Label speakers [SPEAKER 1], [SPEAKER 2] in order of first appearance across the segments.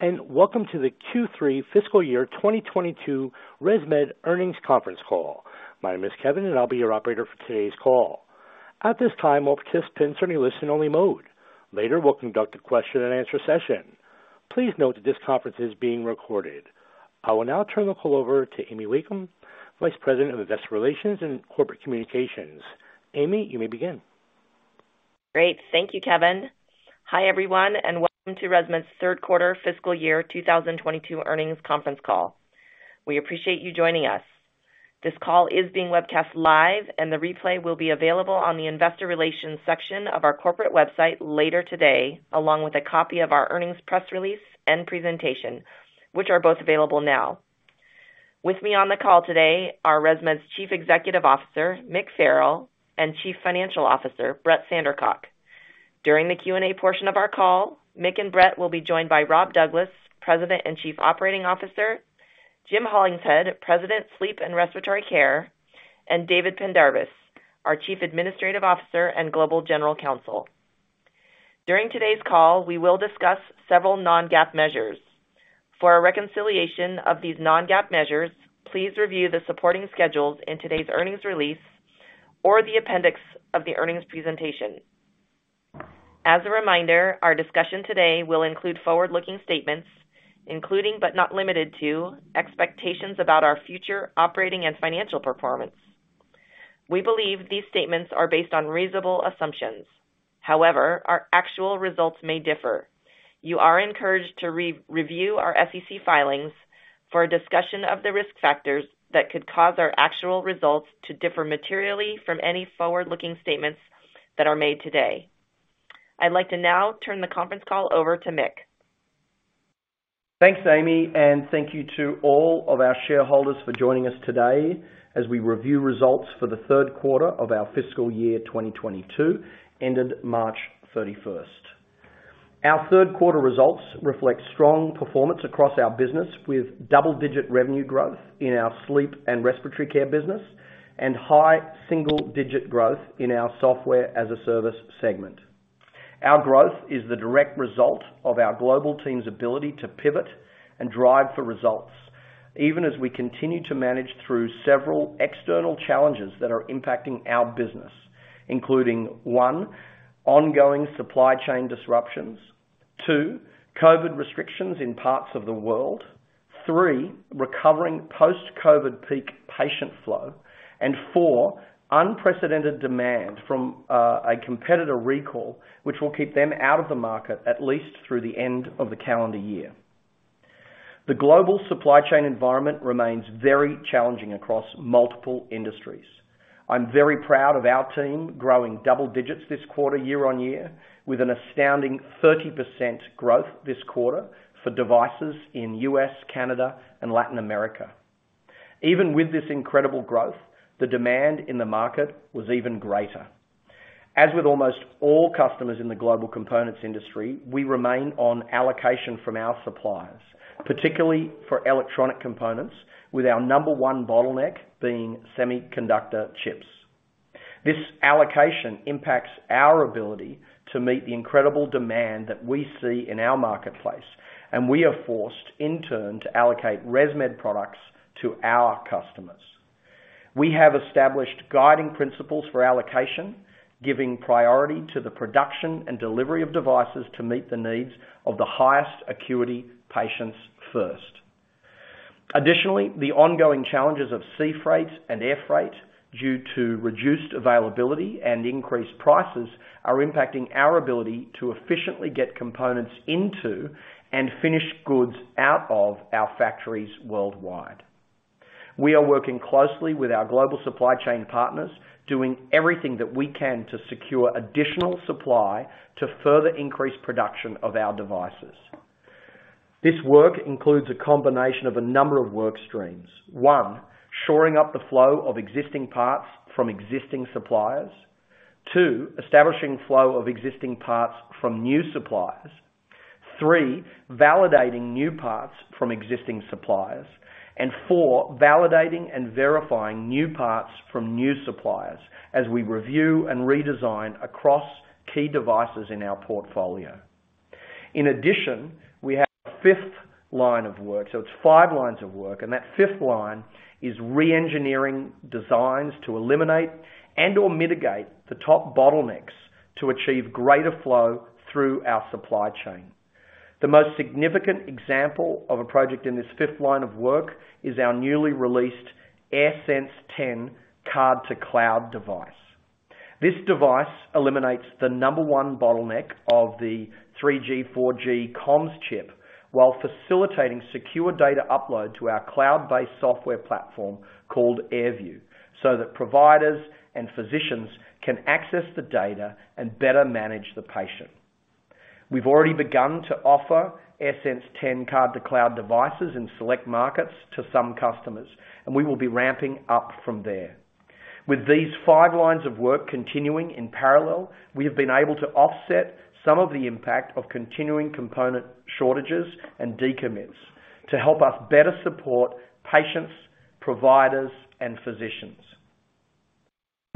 [SPEAKER 1] Welcome to the Q3 fiscal year 2022 ResMed Earnings Conference Call. My name is Kevin, and I'll be your operator for today's call. At this time, all participants are in a listen-only mode. Later, we'll conduct a question and answer session. Please note that this conference is being recorded. I will now turn the call over to Amy Wakeham, Vice President of Investor Relations and Corporate Communications. Amy, you may begin.
[SPEAKER 2] Great. Thank you, Kevin. Hi, everyone, and welcome to ResMed's third quarter fiscal year 2022 earnings conference call. We appreciate you joining us. This call is being webcast live, and the replay will be available on the investor relations section of our corporate website later today, along with a copy of our earnings press release and presentation, which are both available now. With me on the call today are ResMed's Chief Executive Officer, Mick Farrell, and Chief Financial Officer, Brett Sandercock. During the Q&A portion of our call, Mick and Brett will be joined by Rob Douglas, President and Chief Operating Officer, Jim Hollingshead, President, Sleep and Respiratory Care, and David Pendarvis, our Chief Administrative Officer and Global General Counsel. During today's call, we will discuss several non-GAAP measures. For a reconciliation of these non-GAAP measures, please review the supporting schedules in today's earnings release or the appendix of the earnings presentation. As a reminder, our discussion today will include forward-looking statements, including, but not limited to, expectations about our future operating and financial performance. We believe these statements are based on reasonable assumptions. However, our actual results may differ. You are encouraged to re-review our SEC filings for a discussion of the risk factors that could cause our actual results to differ materially from any forward-looking statements that are made today. I'd like to now turn the conference call over to Mick.
[SPEAKER 3] Thanks, Amy, and thank you to all of our shareholders for joining us today as we review results for the third quarter of our fiscal year 2022, ended March 31st. Our third quarter results reflect strong performance across our business, with double-digit revenue growth in our sleep and respiratory care business and high single-digit growth in our software as a service segment. Our growth is the direct result of our global team's ability to pivot and drive for results, even as we continue to manage through several external challenges that are impacting our business. Including, one, ongoing supply chain disruptions. Two, COVID restrictions in parts of the world. Three, recovering post-COVID peak patient flow. And four, unprecedented demand from a competitor recall, which will keep them out of the market at least through the end of the calendar year. The global supply chain environment remains very challenging across multiple industries. I'm very proud of our team growing double digits this quarter year-on-year, with an astounding 30% growth this quarter for devices in U.S., Canada, and Latin America. Even with this incredible growth, the demand in the market was even greater. As with almost all customers in the global components industry, we remain on allocation from our suppliers, particularly for electronic components, with our number one bottleneck being semiconductor chips. This allocation impacts our ability to meet the incredible demand that we see in our marketplace, and we are forced, in turn, to allocate ResMed products to our customers. We have established guiding principles for allocation, giving priority to the production and delivery of devices to meet the needs of the highest acuity patients first. Additionally, the ongoing challenges of sea freight and air freight due to reduced availability and increased prices are impacting our ability to efficiently get components into and finished goods out of our factories worldwide. We are working closely with our global supply chain partners, doing everything that we can to secure additional supply to further increase production of our devices. This work includes a combination of a number of work streams. One, shoring up the flow of existing parts from existing suppliers. Two, establishing flow of existing parts from new suppliers. Three, validating new parts from existing suppliers. And four, validating and verifying new parts from new suppliers as we review and redesign across key devices in our portfolio. In addition, we have a fifth line of work. It's five lines of work, and that fifth line is re-engineering designs to eliminate and/or mitigate the top bottlenecks to achieve greater flow through our supply chain. The most significant example of a project in this fifth line of work is our newly released AirSense 10 Card-to-Cloud device. This device eliminates the number one bottleneck of the 3G/4G comms chip while facilitating secure data upload to our cloud-based software platform called AirView, so that providers and physicians can access the data and better manage the patient. We've already begun to offer AirSense 10 Card-to-Cloud devices in select markets to some customers, and we will be ramping up from there. With these five lines of work continuing in parallel, we have been able to offset some of the impact of continuing component shortages and decommits to help us better support patients, providers, and physicians.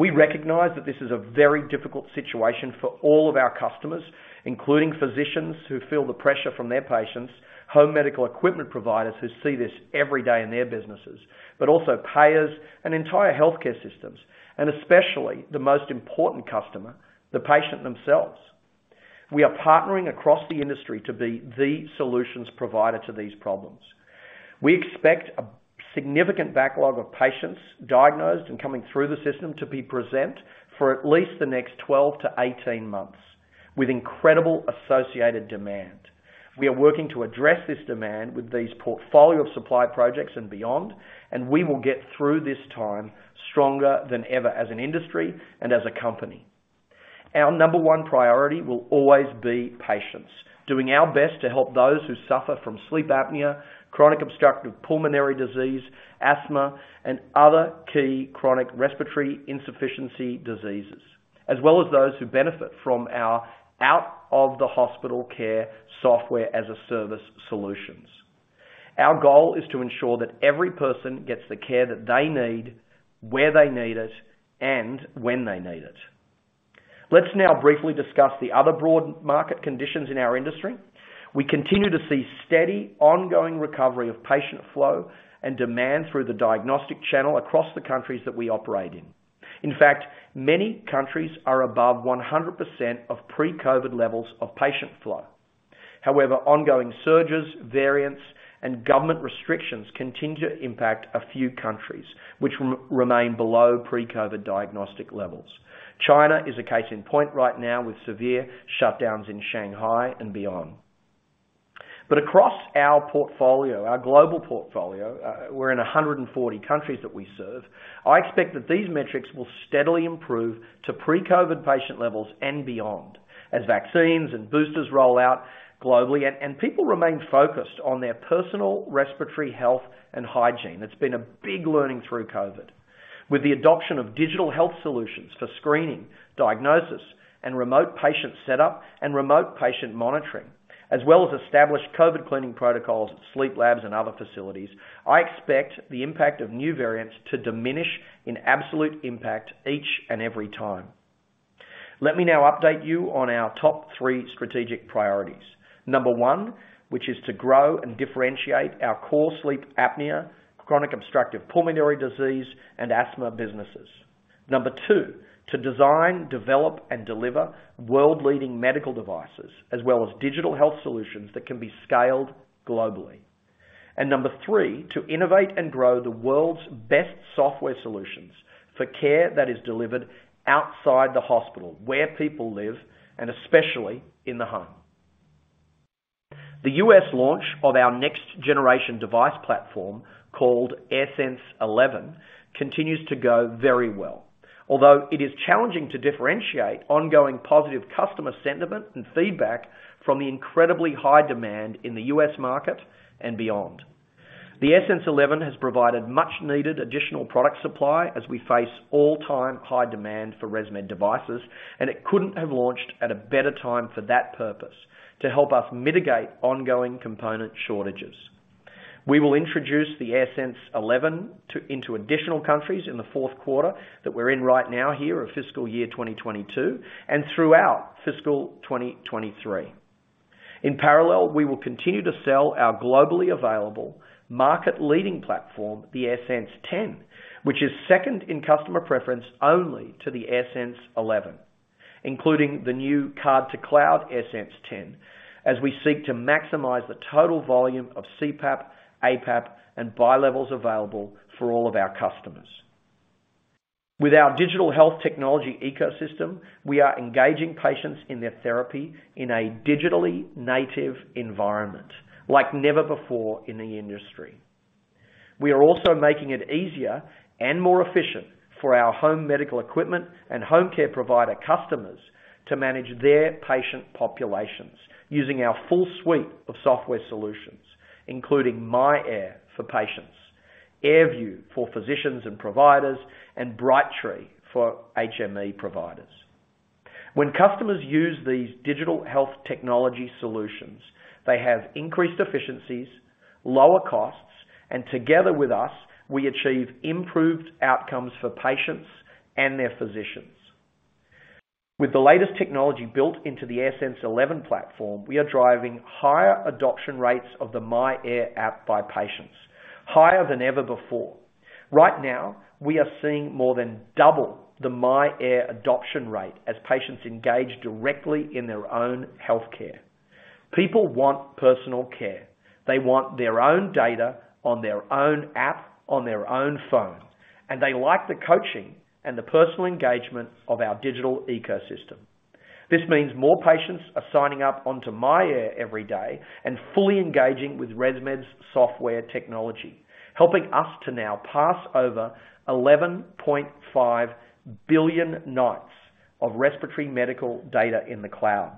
[SPEAKER 3] We recognize that this is a very difficult situation for all of our customers, including physicians who feel the pressure from their patients, home medical equipment providers who see this every day in their businesses, but also payers and entire healthcare systems, and especially the most important customer, the patient themselves. We are partnering across the industry to be the solutions provider to these problems. We expect a significant backlog of patients diagnosed and coming through the system to be present for at least the next 12-18 months with incredible associated demand. We are working to address this demand with this portfolio of supply projects and beyond, and we will get through this time stronger than ever as an industry and as a company. Our number one priority will always be patients, doing our best to help those who suffer from sleep apnea, chronic obstructive pulmonary disease, asthma, and other key chronic respiratory insufficiency diseases, as well as those who benefit from our out of the hospital care software as a service solutions. Our goal is to ensure that every person gets the care that they need, where they need it, and when they need it. Let's now briefly discuss the other broad market conditions in our industry. We continue to see steady, ongoing recovery of patient flow and demand through the diagnostic channel across the countries that we operate in. In fact, many countries are above 100% of pre-COVID levels of patient flow. However, ongoing surges, variants, and government restrictions continue to impact a few countries, which remain below pre-COVID diagnostic levels. China is a case in point right now with severe shutdowns in Shanghai and beyond. Across our portfolio, our global portfolio, we're in 140 countries that we serve. I expect that these metrics will steadily improve to pre-COVID patient levels and beyond as vaccines and boosters roll out globally and people remain focused on their personal respiratory health and hygiene. It's been a big learning through COVID. With the adoption of digital health solutions for screening, diagnosis, and remote patient setup and remote patient monitoring, as well as established COVID cleaning protocols at sleep labs and other facilities, I expect the impact of new variants to diminish in absolute impact each and every time. Let me now update you on our top three strategic priorities. Number one, which is to grow and differentiate our core sleep apnea, chronic obstructive pulmonary disease, and asthma businesses. Number two, to design, develop, and deliver world-leading medical devices as well as digital health solutions that can be scaled globally. Number three, to innovate and grow the world's best software solutions for care that is delivered outside the hospital, where people live, and especially in the home. The US launch of our next generation device platform called AirSense 11 continues to go very well, although it is challenging to differentiate ongoing positive customer sentiment and feedback from the incredibly high demand in the US market and beyond. The AirSense 11 has provided much needed additional product supply as we face all-time high demand for ResMed devices, and it couldn't have launched at a better time for that purpose to help us mitigate ongoing component shortages. We will introduce the AirSense 11 into additional countries in the fourth quarter that we're in right now here of fiscal year 2022 and throughout fiscal 2023. In parallel, we will continue to sell our globally available market-leading platform, the AirSense 10, which is second in customer preference only to the AirSense 11, including the new Card-to-Cloud AirSense 11, as we seek to maximize the total volume of CPAP, APAP, and bilevels available for all of our customers. With our digital health technology ecosystem, we are engaging patients in their therapy in a digitally native environment like never before in the industry. We are also making it easier and more efficient for our home medical equipment and home care provider customers to manage their patient populations using our full suite of software solutions, including myAir for patients, AirView for physicians and providers, and Brightree for HME providers. When customers use these digital health technology solutions, they have increased efficiencies, lower costs, and together with us, we achieve improved outcomes for patients and their physicians. With the latest technology built into the AirSense 11 platform, we are driving higher adoption rates of the myAir app by patients, higher than ever before. Right now, we are seeing more than double the myAir adoption rate as patients engage directly in their own health care. People want personal care. They want their own data on their own app on their own phone, and they like the coaching and the personal engagement of our digital ecosystem. This means more patients are signing up onto myAir every day and fully engaging with ResMed's software technology, helping us to now pass over 11.5 billion nights of respiratory medical data in the cloud.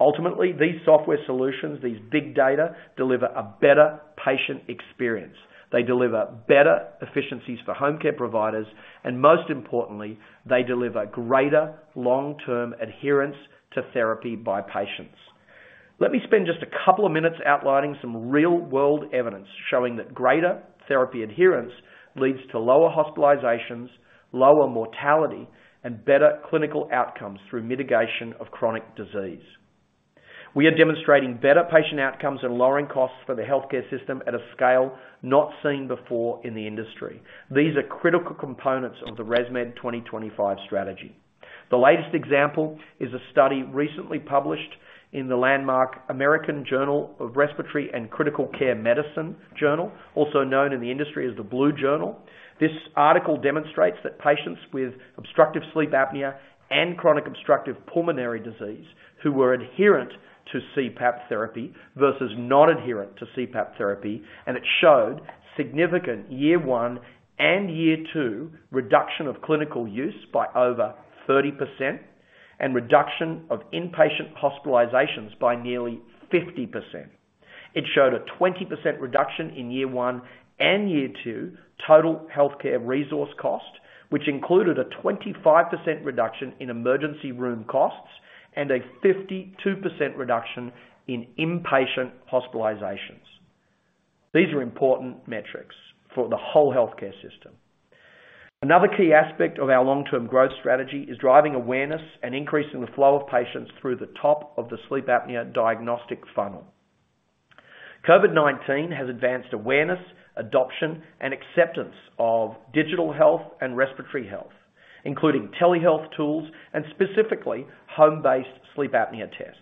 [SPEAKER 3] Ultimately, these software solutions, these big data, deliver a better patient experience. They deliver better efficiencies for home care providers, and most importantly, they deliver greater long-term adherence to therapy by patients. Let me spend just a couple of minutes outlining some real-world evidence showing that greater therapy adherence leads to lower hospitalizations, lower mortality, and better clinical outcomes through mitigation of chronic disease. We are demonstrating better patient outcomes and lowering costs for the healthcare system at a scale not seen before in the industry. These are critical components of the ResMed 2025 strategy. The latest example is a study recently published in the American Journal of Respiratory and Critical Care Medicine, also known in the industry as the Blue Journal. This article demonstrates that patients with obstructive sleep apnea and chronic obstructive pulmonary disease who were adherent to CPAP therapy versus not adherent to CPAP therapy, and it showed significant year one and year two reduction of clinical use by over 30% and reduction of inpatient hospitalizations by nearly 50%. It showed a 20% reduction in year one and year two total healthcare resource cost, which included a 25% reduction in emergency room costs and a 52% reduction in inpatient hospitalizations. These are important metrics for the whole healthcare system. Another key aspect of our long-term growth strategy is driving awareness and increasing the flow of patients through the top of the sleep apnea diagnostic funnel. COVID-19 has advanced awareness, adoption, and acceptance of digital health and respiratory health, including telehealth tools and specifically home-based sleep apnea tests.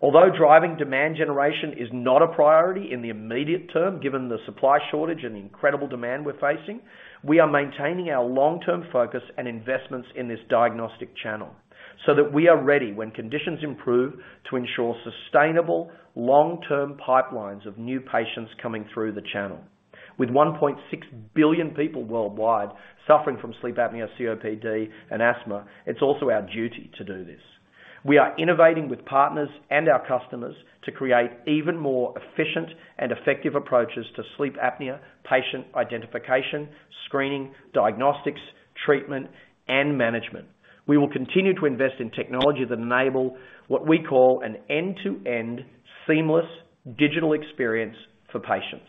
[SPEAKER 3] Although driving demand generation is not a priority in the immediate term, given the supply shortage and the incredible demand we're facing, we are maintaining our long-term focus and investments in this diagnostic channel so that we are ready when conditions improve to ensure sustainable long-term pipelines of new patients coming through the channel. With 1.6 billion people worldwide suffering from sleep apnea, COPD, and asthma, it's also our duty to do this. We are innovating with partners and our customers to create even more efficient and effective approaches to sleep apnea patient identification, screening, diagnostics, treatment, and management. We will continue to invest in technology that enable what we call an end-to-end seamless digital experience for patients.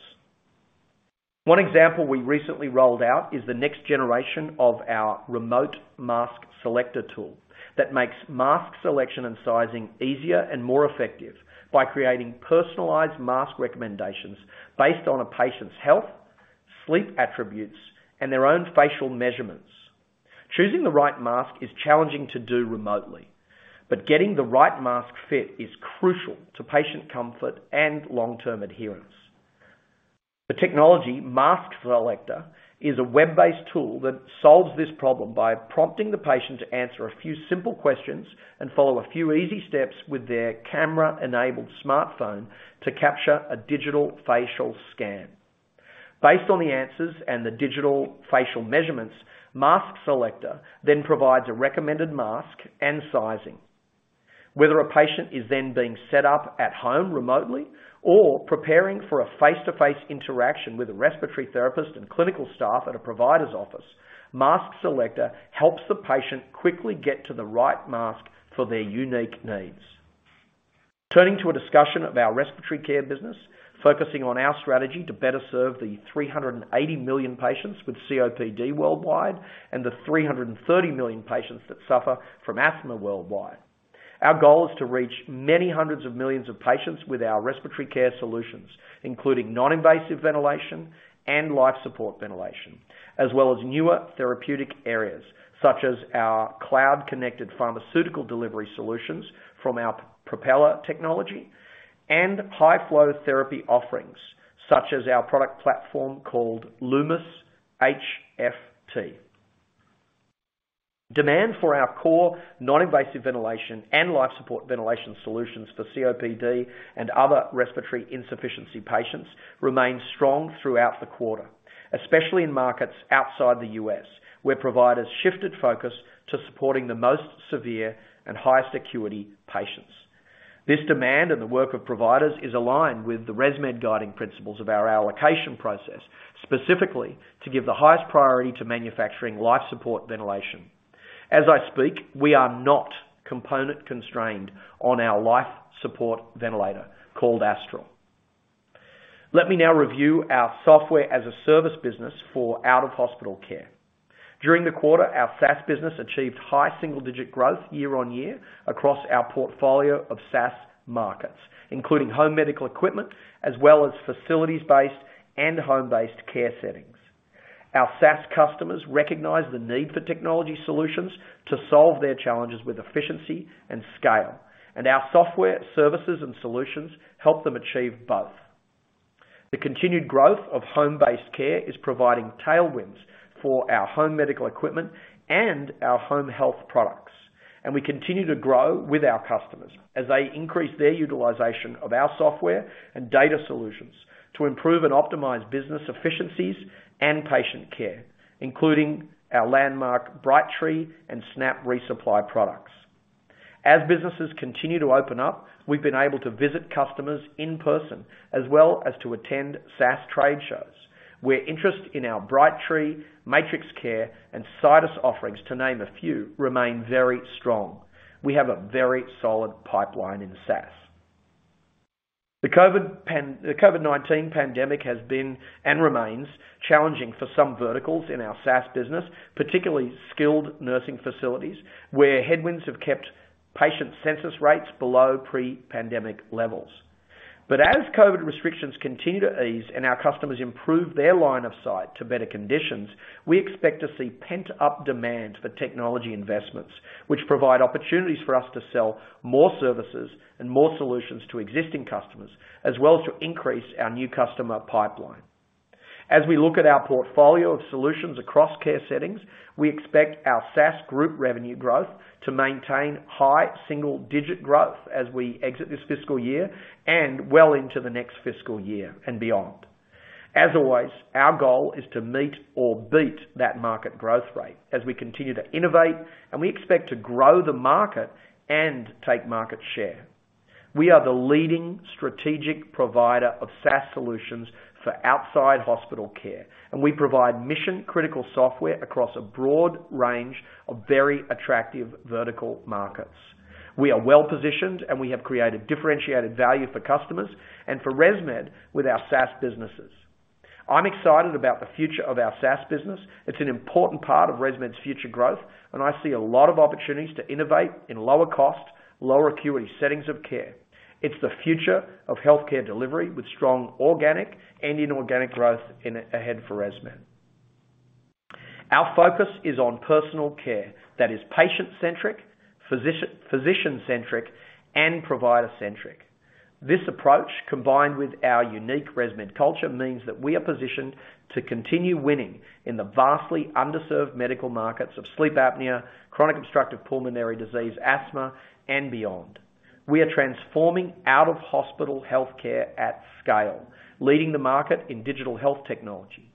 [SPEAKER 3] One example we recently rolled out is the next generation of our remote MaskSelector tool that makes mask selection and sizing easier and more effective by creating personalized mask recommendations based on a patient's health, sleep attributes, and their own facial measurements. Choosing the right mask is challenging to do remotely, but getting the right mask fit is crucial to patient comfort and long-term adherence. The technology MaskSelector is a web-based tool that solves this problem by prompting the patient to answer a few simple questions and follow a few easy steps with their camera-enabled smartphone to capture a digital facial scan. Based on the answers and the digital facial measurements, MaskSelector then provides a recommended mask and sizing. Whether a patient is then being set up at home remotely or preparing for a face-to-face interaction with a respiratory therapist and clinical staff at a provider's office, MaskSelector helps the patient quickly get to the right mask for their unique needs. Turning to a discussion of our respiratory care business, focusing on our strategy to better serve the 380 million patients with COPD worldwide and the 330 million patients that suffer from asthma worldwide. Our goal is to reach many hundreds of millions of patients with our respiratory care solutions, including non-invasive ventilation and life support ventilation, as well as newer therapeutic areas, such as our cloud-connected pharmaceutical delivery solutions from our Propeller technology and high-flow therapy offerings, such as our product platform called Lumis HFT. Demand for our core non-invasive ventilation and life support ventilation solutions for COPD and other respiratory insufficiency patients remained strong throughout the quarter, especially in markets outside the U.S., where providers shifted focus to supporting the most severe and highest acuity patients. This demand and the work of providers is aligned with the ResMed guiding principles of our allocation process, specifically to give the highest priority to manufacturing life support ventilation. As I speak, we are not component constrained on our life support ventilator called Astral. Let me now review our software as a service business for out-of-hospital care. During the quarter, our SaaS business achieved high single-digit growth year-over-year across our portfolio of SaaS markets, including home medical equipment, as well as facilities-based and home-based care settings. Our SaaS customers recognize the need for technology solutions to solve their challenges with efficiency and scale, and our software services and solutions help them achieve both. The continued growth of home-based care is providing tailwinds for our home medical equipment and our home health products. We continue to grow with our customers as they increase their utilization of our software and data solutions to improve and optimize business efficiencies and patient care, including our landmark Brightree and SNAP resupply products. As businesses continue to open up, we've been able to visit customers in person as well as to attend SaaS trade shows. Where interest in our Brightree, MatrixCare, and CitusHealth offerings, to name a few, remain very strong. We have a very solid pipeline in SaaS. The COVID-19 pandemic has been and remains challenging for some verticals in our SaaS business, particularly skilled nursing facilities, where headwinds have kept patient census rates below pre-pandemic levels. As COVID restrictions continue to ease and our customers improve their line of sight to better conditions, we expect to see pent-up demand for technology investments, which provide opportunities for us to sell more services and more solutions to existing customers, as well as to increase our new customer pipeline. As we look at our portfolio of solutions across care settings, we expect our SaaS group revenue growth to maintain high single digit growth as we exit this fiscal year and well into the next fiscal year and beyond. As always, our goal is to meet or beat that market growth rate as we continue to innovate, and we expect to grow the market and take market share. We are the leading strategic provider of SaaS solutions for outside hospital care, and we provide mission-critical software across a broad range of very attractive vertical markets. We are well positioned, and we have created differentiated value for customers and for ResMed with our SaaS businesses. I'm excited about the future of our SaaS business. It's an important part of ResMed's future growth, and I see a lot of opportunities to innovate in lower cost, lower acuity settings of care. It's the future of healthcare delivery with strong organic and inorganic growth ahead for ResMed. Our focus is on personal care that is patient-centric, physician-centric, and provider-centric. This approach, combined with our unique ResMed culture, means that we are positioned to continue winning in the vastly underserved medical markets of sleep apnea, chronic obstructive pulmonary disease, asthma, and beyond. We are transforming out of hospital healthcare at scale, leading the market in digital health technology.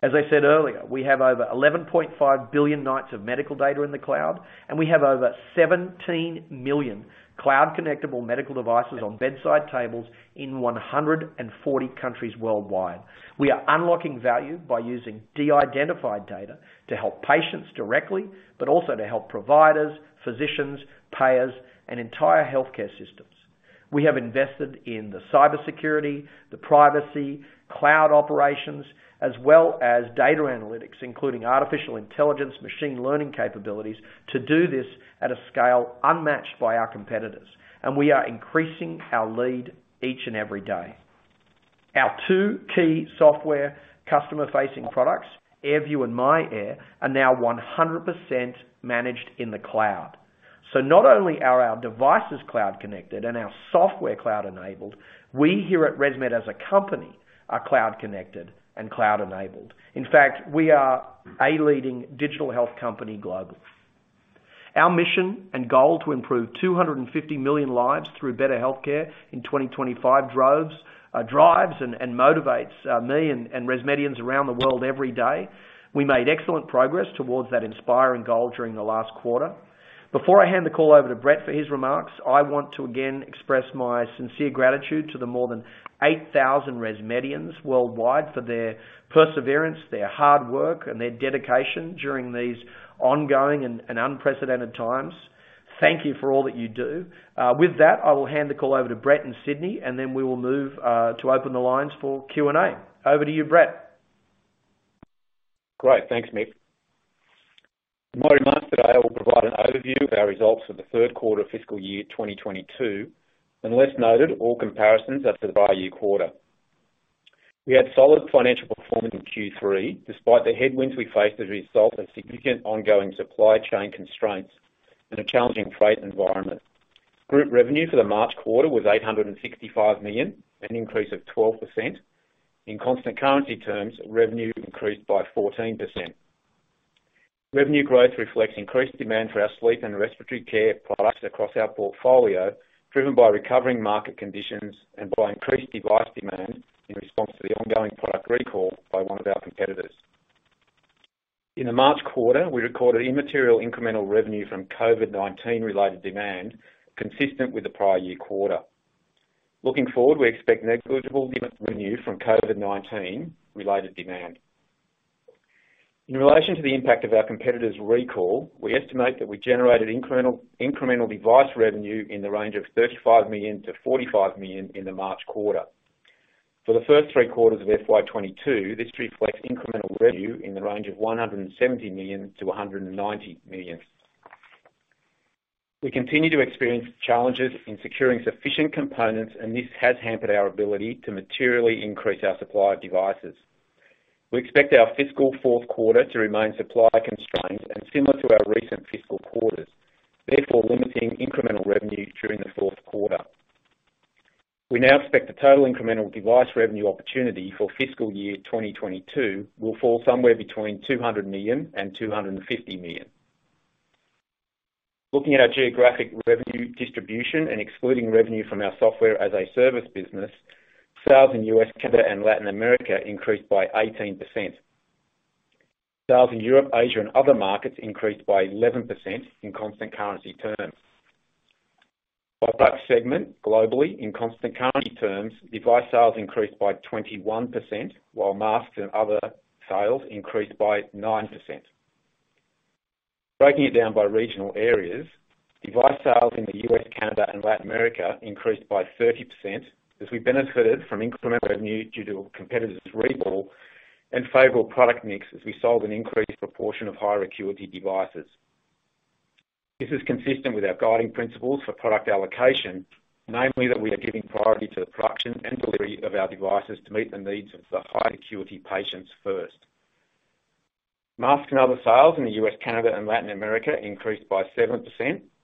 [SPEAKER 3] As I said earlier, we have over 11.5 billion nights of medical data in the cloud, and we have over 17 million cloud connectable medical devices on bedside tables in 140 countries worldwide. We are unlocking value by using de-identified data to help patients directly, but also to help providers, physicians, payers, and entire healthcare systems. We have invested in the cybersecurity, the privacy, cloud operations, as well as data analytics, including artificial intelligence, machine learning capabilities, to do this at a scale unmatched by our competitors. We are increasing our lead each and every day. Our two key software customer-facing products, AirView and myAir, are now 100% managed in the cloud. Not only are our devices cloud connected and our software cloud enabled, we here at ResMed as a company are cloud connected and cloud enabled. In fact, we are a leading digital health company globally. Our mission and goal to improve 250 million lives through better healthcare in 2025 drives and motivates me and ResMedians around the world every day. We made excellent progress towards that inspiring goal during the last quarter. Before I hand the call over to Brett for his remarks, I want to again express my sincere gratitude to the more than 8,000 ResMedians worldwide for their perseverance, their hard work, and their dedication during these ongoing and unprecedented times. Thank you for all that you do. With that, I will hand the call over to Brett in Sydney, and then we will move to open the lines for Q&A. Over to you, Brett.
[SPEAKER 4] Great. Thanks, Mick. In my remarks today, I will provide an overview of our results for the third quarter of fiscal year 2022. Unless noted, all comparisons are to the prior year quarter. We had solid financial performance in Q3, despite the headwinds we faced as a result of significant ongoing supply chain constraints in a challenging trade environment. Group revenue for the March quarter was $865 million, an increase of 12%. In constant currency terms, revenue increased by 14%. Revenue growth reflects increased demand for our sleep and respiratory care products across our portfolio, driven by recovering market conditions and by increased device demand in response to the ongoing product recall by one of our competitors. In the March quarter, we recorded immaterial incremental revenue from COVID-19 related demand, consistent with the prior year quarter. Looking forward, we expect negligible revenue from COVID-19 related demand. In relation to the impact of our competitor's recall, we estimate that we generated incremental device revenue in the range of $35 million-$45 million in the March quarter. For the first three quarters of FY 2022, this reflects incremental revenue in the range of $170 million-$190 million. We continue to experience challenges in securing sufficient components, and this has hampered our ability to materially increase our supply of devices. We expect our fiscal fourth quarter to remain supply constrained and similar to our recent fiscal quarters, therefore limiting incremental revenue during the fourth quarter. We now expect the total incremental device revenue opportunity for fiscal year 2022 will fall somewhere between $200 million and $250 million. Looking at our geographic revenue distribution and excluding revenue from our software as a service business, sales in U.S., Canada, and Latin America increased by 18%. Sales in Europe, Asia, and other markets increased by 11% in constant currency terms. By that segment globally in constant currency terms, device sales increased by 21%, while masks and other sales increased by 9%. Breaking it down by regional areas, device sales in the U.S., Canada, and Latin America increased by 30% as we benefited from incremental revenue due to competitors' recall and favorable product mix as we sold an increased proportion of higher acuity devices. This is consistent with our guiding principles for product allocation. Namely, that we are giving priority to the production and delivery of our devices to meet the needs of the high-acuity patients first. Masks and other sales in the U.S., Canada, and Latin America increased by 7%,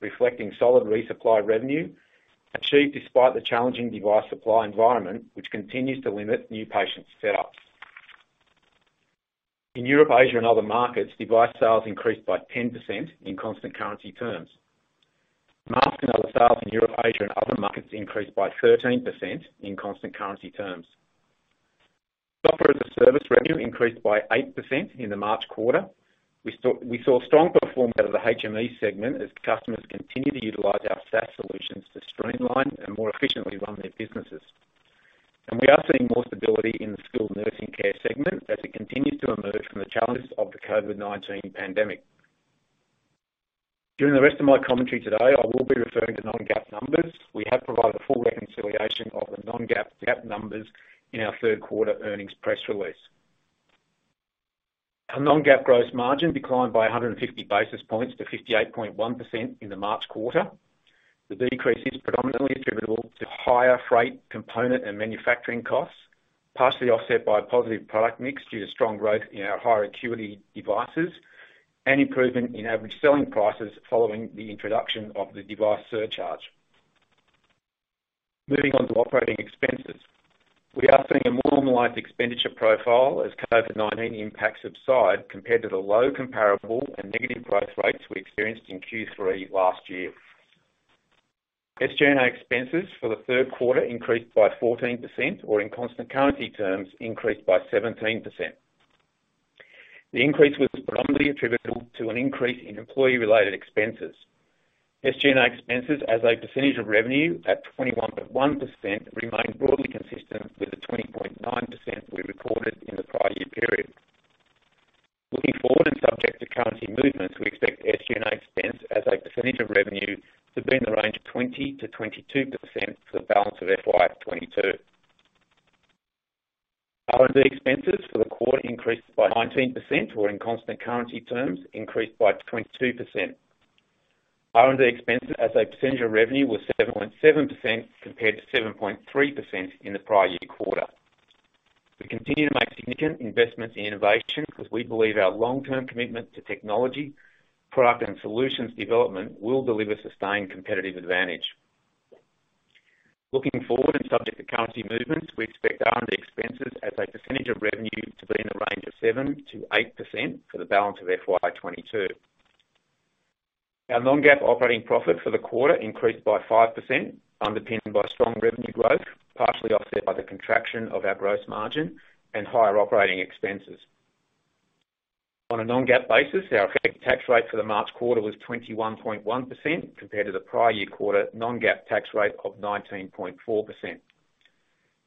[SPEAKER 4] reflecting solid resupply revenue achieved despite the challenging device supply environment, which continues to limit new patient setups. In Europe, Asia, and other markets, device sales increased by 10% in constant currency terms. Masks and other sales in Europe, Asia, and other markets increased by 13% in constant currency terms. Software as a service revenue increased by 8% in the March quarter. We saw strong performance out of the HME segment as customers continued to utilize our SaaS solutions to streamline and more efficiently run their businesses. We are seeing more stability in the skilled nursing care segment as it continues to emerge from the challenges of the COVID-19 pandemic. During the rest of my commentary today, I will be referring to non-GAAP numbers. We have provided a full reconciliation of the non-GAAP, GAAP numbers in our third quarter earnings press release. Our non-GAAP gross margin declined by 150 basis points to 58.1% in the March quarter. The decrease is predominantly attributable to higher freight component and manufacturing costs, partially offset by positive product mix due to strong growth in our higher acuity devices and improvement in average selling prices following the introduction of the device surcharge. Moving on to operating expenses. We are seeing a more normalized expenditure profile as COVID-19 impacts subside compared to the low comparable and negative growth rates we experienced in Q3 last year. SG&A expenses for the third quarter increased by 14%, or in constant currency terms, increased by 17%. The increase was predominantly attributable to an increase in employee-related expenses. SG&A expenses as a percentage of revenue at 21.1% remain broadly consistent with the 20.9% we recorded in the prior year period. Looking forward and subject to currency movements, we expect SG&A expense as a percentage of revenue to be in the range of 20%-22% for the balance of FY22. R&D expenses for the quarter increased by 19% or in constant currency terms, increased by 22%. R&D expenses as a percentage of revenue was 7.7% compared to 7.3% in the prior year quarter. We continue to make significant investments in innovation because we believe our long-term commitment to technology, product, and solutions development will deliver sustained competitive advantage. Looking forward and subject to currency movements, we expect R&D expenses as a percentage of revenue to be in the range of 7%-8% for the balance of FY22. Our non-GAAP operating profit for the quarter increased by 5%, underpinned by strong revenue growth, partially offset by the contraction of our gross margin and higher operating expenses. On a non-GAAP basis, our effective tax rate for the March quarter was 21.1% compared to the prior year quarter non-GAAP tax rate of 19.4%.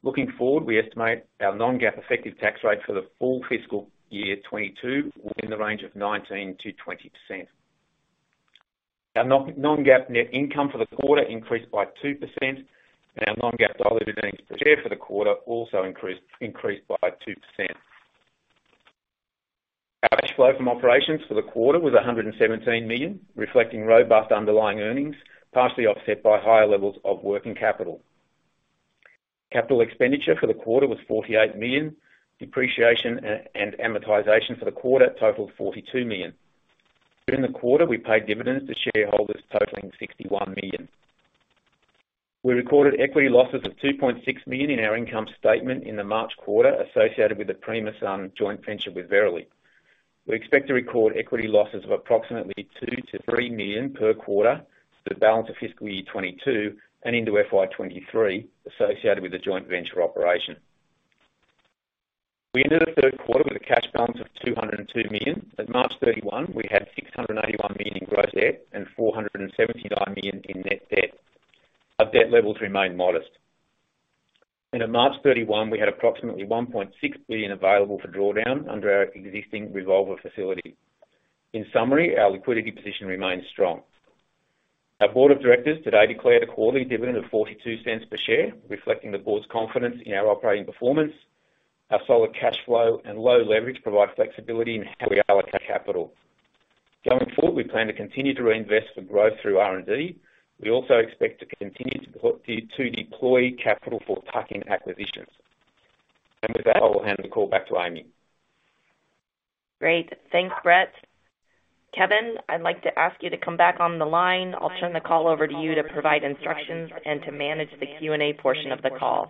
[SPEAKER 4] Looking forward, we estimate our non-GAAP effective tax rate for the full fiscal year 2022 will be in the range of 19%-20%. Our non-GAAP net income for the quarter increased by 2%, and our non-GAAP diluted earnings per share for the quarter also increased by 2%. Our cash flow from operations for the quarter was $117 million, reflecting robust underlying earnings, partially offset by higher levels of working capital. Capital expenditure for the quarter was $48 million. Depreciation and amortization for the quarter totaled $42 million. During the quarter, we paid dividends to shareholders totaling $61 million. We recorded equity losses of $2.6 million in our income statement in the March quarter associated with the Primasun joint venture with Verily. We expect to record equity losses of approximately $2-$3 million per quarter for the balance of fiscal year 2022 and into FY 2023 associated with the joint venture operation. We ended the third quarter with a cash balance of $202 million. At March 31, we had $681 million in gross debt and $479 million in net debt. Our debt levels remain modest. At March 31, we had approximately $1.6 billion available for drawdown under our existing revolver facility. In summary, our liquidity position remains strong. Our board of directors today declared a quarterly dividend of $0.42 per share, reflecting the board's confidence in our operating performance. Our solid cash flow and low leverage provide flexibility in how we allocate capital. Going forward, we plan to continue to reinvest for growth through R&D. We also expect to continue to deploy capital for tuck-in acquisitions. With that, I will hand the call back to Amy.
[SPEAKER 2] Great. Thanks, Brett. Kevin, I'd like to ask you to come back on the line. I'll turn the call over to you to provide instructions and to manage the Q&A portion of the call.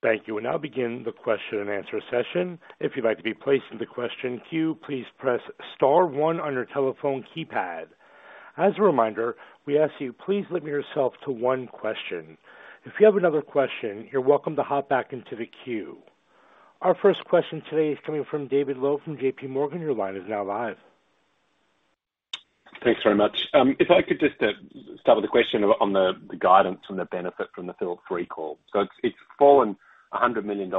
[SPEAKER 1] Thank you. We'll now begin the question and answer session. If you'd like to be placed in the question queue, please press star one on your telephone keypad. As a reminder, we ask you please limit yourself to one question. If you have another question, you're welcome to hop back into the queue. Our first question today is coming from David Low from JP Morgan. Your line is now live.
[SPEAKER 5] Thanks very much. If I could just start with a question on the guidance from the benefit from the Philips recall. It's fallen $100 million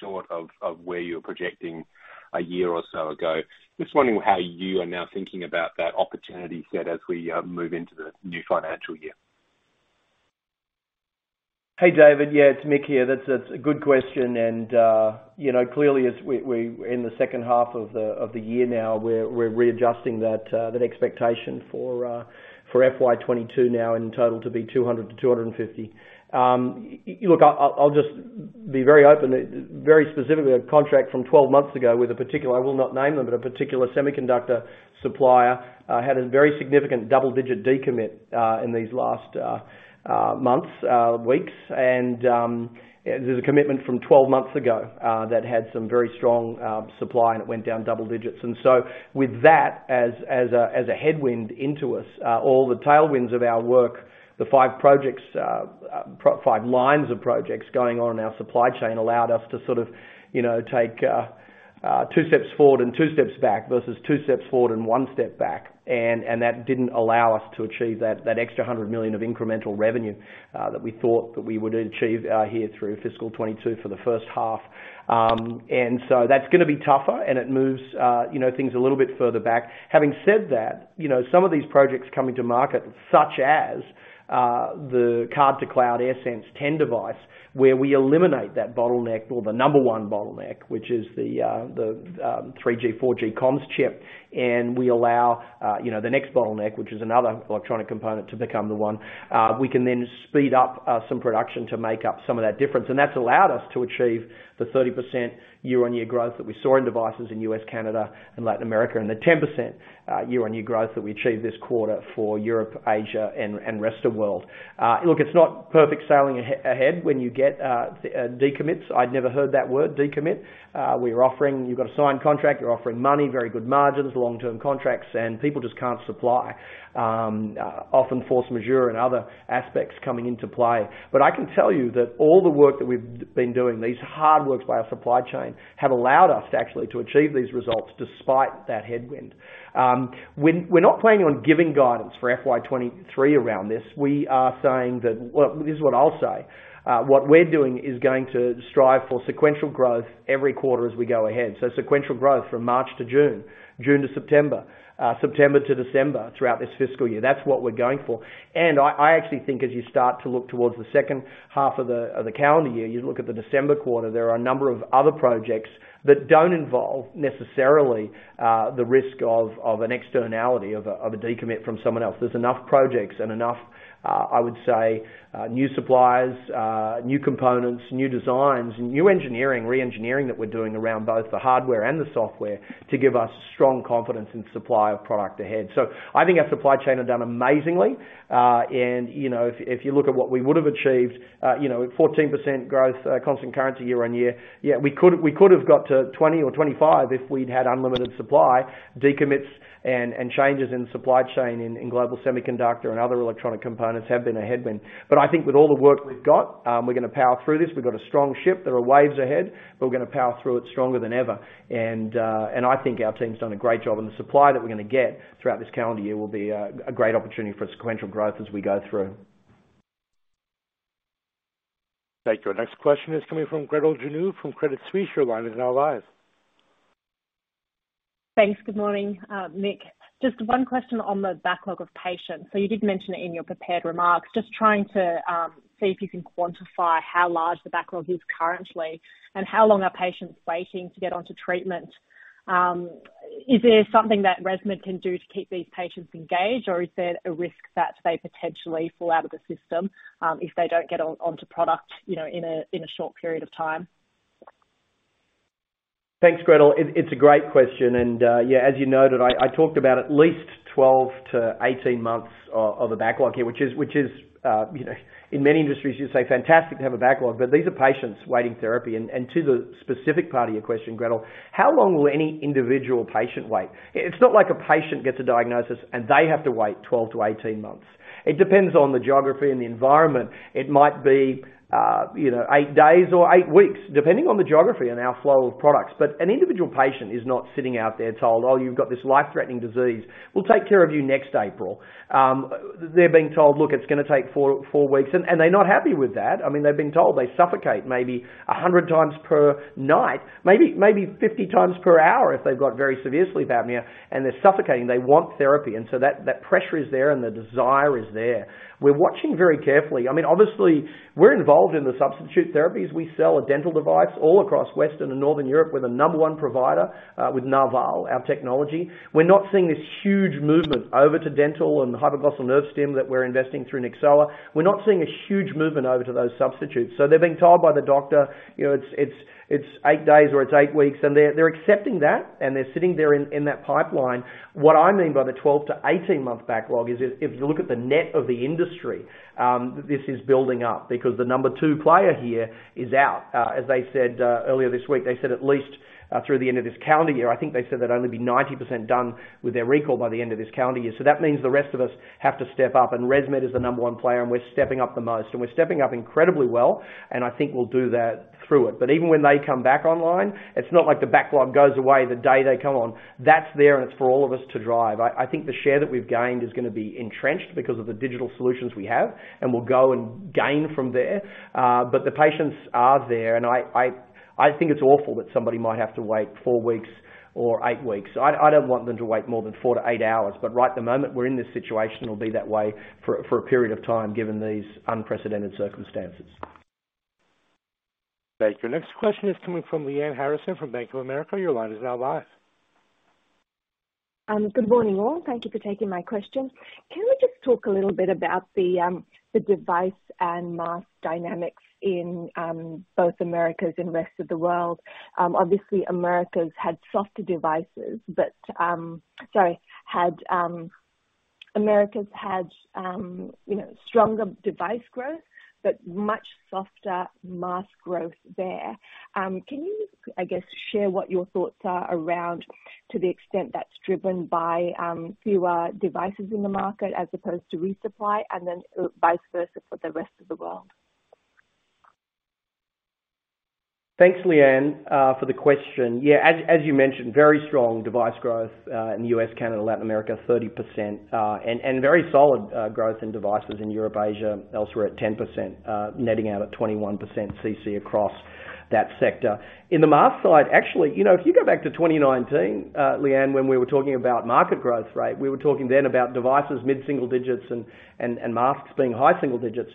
[SPEAKER 5] short of where you're projecting a year or so ago. Just wondering how you are now thinking about that opportunity set as we move into the new financial year.
[SPEAKER 3] Hey, David. Yeah, it's Mick here. That's a good question and, you know, clearly as we in the second half of the year now, we're readjusting that expectation for FY22 now in total to be 200-250. You know, I'll just be very open. Very specifically, a contract from 12 months ago with a particular, I will not name them, but a particular semiconductor supplier had a very significant double-digit decommit in these last months, weeks. There's a commitment from 12 months ago that had some very strong supply and it went down double digits. With that as a headwind into us, all the tailwinds of our work, the five lines of projects going on in our supply chain allowed us to sort of, you know, take two steps forward and two steps back versus two steps forward and one step back. That didn't allow us to achieve that extra $100 million of incremental revenue that we thought we would achieve here through fiscal 2022 for the first half. That's gonna be tougher and it moves, you know, things a little bit further back. Having said that, you know, some of these projects coming to market, such as the Card-to-Cloud AirSense 10 device, where we eliminate that bottleneck or the number one bottleneck, which is the 3G, 4G comms chip. We allow, you know, the next bottleneck, which is another electronic component to become the one. We can then speed up some production to make up some of that difference. That's allowed us to achieve the 30% year-on-year growth that we saw in devices in U.S., Canada and Latin America, and the 10% year-on-year growth that we achieved this quarter for Europe, Asia and rest of world. Look, it's not perfect sailing ahead when you get decommits. I'd never heard that word, decommit. We're offering... You've got a signed contract, you're offering money, very good margins, long-term contracts, and people just can't supply. Often force majeure and other aspects coming into play. But I can tell you that all the work that we've been doing, these hard works by our supply chain, have allowed us to actually achieve these results despite that headwind. We're not planning on giving guidance for FY23 around this. We are saying that. Well, this is what I'll say. What we're doing is going to strive for sequential growth every quarter as we go ahead. Sequential growth from March to June to September to December throughout this fiscal year. That's what we're going for. I actually think as you start to look towards the second half of the calendar year, you look at the December quarter, there are a number of other projects that don't involve necessarily the risk of an externality of a decommit from someone else. There's enough projects and I would say new suppliers, new components, new designs, new engineering, re-engineering that we're doing around both the hardware and the software to give us strong confidence in supply of product ahead. I think our supply chain have done amazingly. You know, if you look at what we would have achieved at 14% growth, constant currency year-on-year. We could have got to 20 or 25 if we'd had unlimited supply. Decommits and changes in supply chain in global semiconductor and other electronic components have been a headwind. I think with all the work we've got, we're gonna power through this. We've got a strong ship. There are waves ahead. We're gonna power through it stronger than ever. I think our team's done a great job in the supply that we're gonna get throughout this calendar year will be a great opportunity for sequential growth as we go through.
[SPEAKER 1] Thank you. Our next question is coming from Gretel Janu from Credit Suisse. Your line is now live.
[SPEAKER 6] Thanks. Good morning, Mick. Just one question on the backlog of patients. You did mention it in your prepared remarks, just trying to see if you can quantify how large the backlog is currently and how long are patients waiting to get onto treatment. Is there something that ResMed can do to keep these patients engaged, or is there a risk that they potentially fall out of the system if they don't get onto product, you know, in a short period of time?
[SPEAKER 3] Thanks, Gretel. It's a great question. Yeah, as you noted, I talked about at least 12-18 months of a backlog here, which is, you know, in many industries, you'd say fantastic to have a backlog, but these are patients waiting therapy. To the specific part of your question, Gretel, how long will any individual patient wait? It's not like a patient gets a diagnosis and they have to wait 12-18 months. It depends on the geography and the environment. It might be, you know, eight days or eight weeks, depending on the geography and our flow of products. But an individual patient is not sitting out there told, "Oh, you've got this life-threatening disease. We'll take care of you next April. They're being told, "Look, it's gonna take four weeks." They're not happy with that. I mean, they're being told they suffocate maybe 100 times per night, maybe 50 times per hour if they've got very severe sleep apnea and they're suffocating. They want therapy. That pressure is there and the desire is there. We're watching very carefully. I mean, obviously, we're involved in the substitute therapies. We sell a dental device all across Western and Northern Europe. We're the number one provider with Narval, our technology. We're not seeing this huge movement over to dental and hypoglossal nerve stim that we're investing through Nyxoah. We're not seeing a huge movement over to those substitutes. They're being told by the doctor, you know, it's 8 days or it's 8 weeks, and they're accepting that, and they're sitting there in that pipeline. What I mean by the 12-18 month backlog is if you look at the net of the industry, this is building up because the number 2 player here is out. As they said earlier this week, they said at least through the end of this calendar year, I think they said they'd only be 90% done with their recall by the end of this calendar year. That means the rest of us have to step up, and ResMed is the number 1 player, and we're stepping up the most. We're stepping up incredibly well, and I think we'll do that through it. Even when they come back online, it's not like the backlog goes away the day they come on. That's there and it's for all of us to drive. I think the share that we've gained is gonna be entrenched because of the digital solutions we have, and we'll go and gain from there. The patients are there, and I think it's awful that somebody might have to wait four weeks or eight weeks. I don't want them to wait more than four to eight hours. Right at the moment, we're in this situation. It'll be that way for a period of time, given these unprecedented circumstances.
[SPEAKER 1] Thank you. Next question is coming from Lyanne Harrison from Bank of America, your line is now live.
[SPEAKER 7] Good morning, all. Thank you for taking my question. Can we just talk a little bit about the device and mask dynamics in both Americas and the rest of the world? Obviously, Americas had stronger device growth, but much softer mask growth there. Can you, I guess, share what your thoughts are around to the extent that's driven by fewer devices in the market as opposed to resupply, and then vice versa for the rest of the world?
[SPEAKER 3] Thanks, Lyanne, for the question. Yeah, as you mentioned, very strong device growth in the US, Canada, Latin America, 30%. And very solid growth in devices in Europe, Asia, elsewhere at 10%, netting out at 21% CC across that sector. In the mask side, actually, you know, if you go back to 2019, Lyanne, when we were talking about market growth rate, we were talking then about devices mid-single digits and masks being high single digits.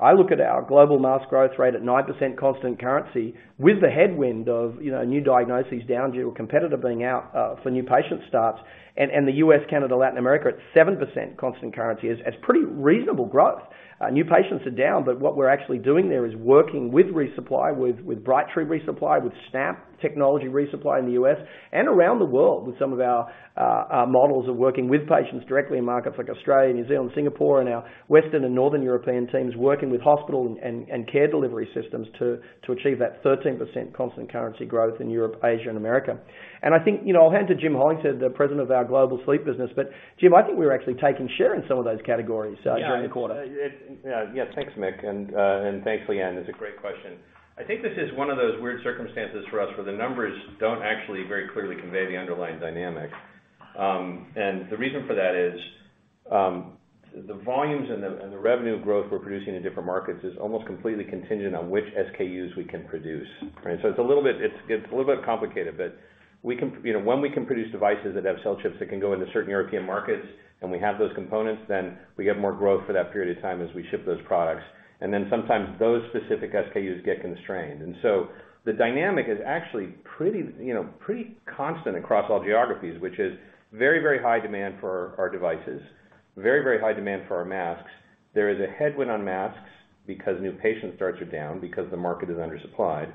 [SPEAKER 3] I look at our global mask growth rate at 9% constant currency with the headwind of, you know, new diagnoses down, your competitor being out for new patient starts. The US, Canada, Latin America at 7% constant currency. It's pretty reasonable growth. New patients are down, but what we're actually doing there is working with resupply, with Brightree ReSupply, with SNAP resupply in the US and around the world with some of our our models of working with patients directly in markets like Australia, New Zealand, Singapore, and our Western and Northern European teams working with hospital and care delivery systems to achieve that 13% constant currency growth in Europe, Asia, and America. I think, you know, I'll hand to Jim Hollingshead, the President of our global sleep business. Jim, I think we're actually taking share in some of those categories during the quarter.
[SPEAKER 8] Yeah, thanks, Mick, and thanks, Lyanne. It's a great question. I think this is one of those weird circumstances for us where the numbers don't actually very clearly convey the underlying dynamic. The reason for that is the volumes and the revenue growth we're producing in different markets is almost completely contingent on which SKUs we can produce, right? It's a little bit complicated, but you know, when we can produce devices that have cell chips that can go into certain European markets, and we have those components, then we have more growth for that period of time as we ship those products. Then sometimes those specific SKUs get constrained. The dynamic is actually pretty, you know, pretty constant across all geographies, which is very, very high demand for our devices, very, very high demand for our masks. There is a headwind on masks because new patient starts are down because the market is undersupplied.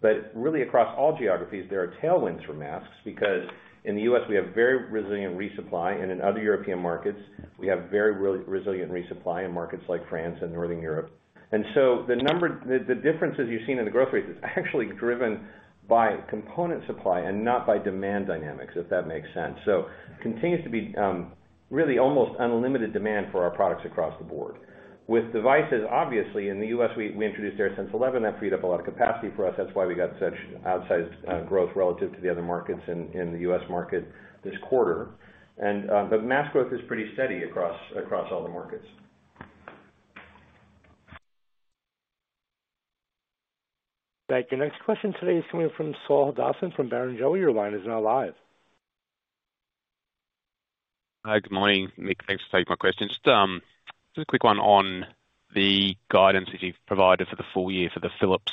[SPEAKER 8] But really across all geographies, there are tailwinds for masks because in the U.S. we have very resilient resupply, and in other European markets, we have very resilient resupply in markets like France and Northern Europe. The differences you've seen in the growth rates is actually driven by component supply and not by demand dynamics, if that makes sense. Continues to be really almost unlimited demand for our products across the board. With devices, obviously, in the U.S., we introduced AirSense 11. That freed up a lot of capacity for us. That's why we got such outsized growth relative to the other markets in the US market this quarter. Mask growth is pretty steady across all the markets.
[SPEAKER 1] Thank you. Next question today is coming from Saul Hadassin from Barrenjoey. Your line is now live.
[SPEAKER 9] Good morning, Mick. Thanks for taking my question. Just a quick one on the guidance that you've provided for the full year for the Philips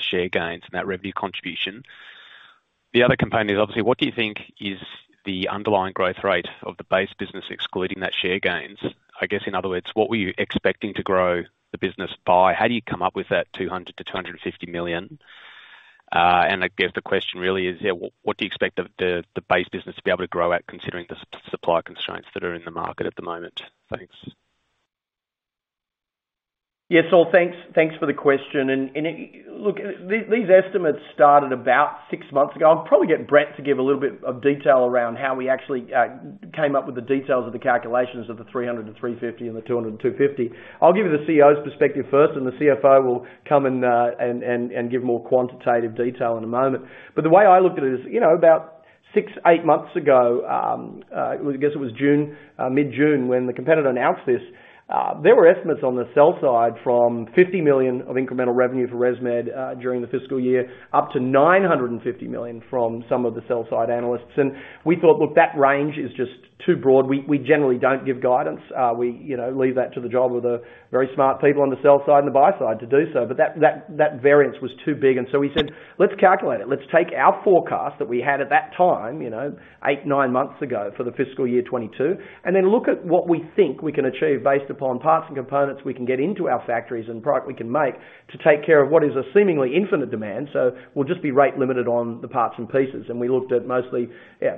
[SPEAKER 9] share gains and that revenue contribution. The other component is obviously what do you think is the underlying growth rate of the base business excluding that share gains? I guess, in other words, what were you expecting to grow the business by? How do you come up with that $200 million-$250 million? And I guess the question really is what do you expect the base business to be able to grow at, considering the supply constraints that are in the market at the moment? Thanks.
[SPEAKER 3] Yeah, Saul, thanks for the question. Look, these estimates started about six months ago. I'll probably get Brett to give a little bit of detail around how we actually came up with the details of the calculations of the $300-$350 and the $200-$250. I'll give you the CEO's perspective first, and the CFO will come and give more quantitative detail in a moment. The way I looked at it is, you know, about six, eight months ago, it was, I guess it was June, mid-June, when the competitor announced this, there were estimates on the sell-side from $50 million of incremental revenue for ResMed, during the fiscal year, up to $950 million from some of the sell-side analysts. We thought, look, that range is just too broad. We generally don't give guidance. We, you know, leave that to the job of the very smart people on the sell side and the buy side to do so. But that variance was too big. We said, "Let's calculate it." Let's take our forecast that we had at that time, you know, eight, nine months ago for the fiscal year 2022, and then look at what we think we can achieve based upon parts and components we can get into our factories and product we can make to take care of what is a seemingly infinite demand. We'll just be rate limited on the parts and pieces. We looked at mostly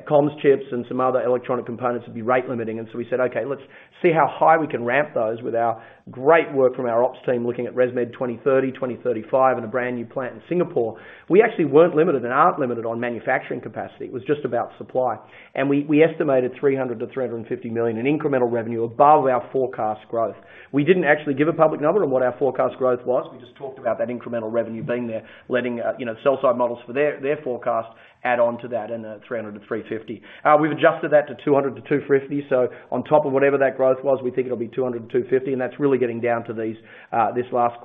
[SPEAKER 3] comms chips and some other electronic components would be rate limiting. We said, "Okay, let's see how high we can ramp those with our great work from our ops team looking at ResMed 2030, 2035 and a brand new plant in Singapore." We actually weren't limited and aren't limited on manufacturing capacity. It was just about supply. We estimated $300 million-$350 million in incremental revenue above our forecast growth. We didn't actually give a public number on what our forecast growth was. We just talked about that incremental revenue being there, letting you know, sell-side models for their forecast add on to that and $300-$350. We've adjusted that to $200 million-$250 million. On top of whatever that growth was, we think it'll be $200 million-$250 million, and that's really getting down to this last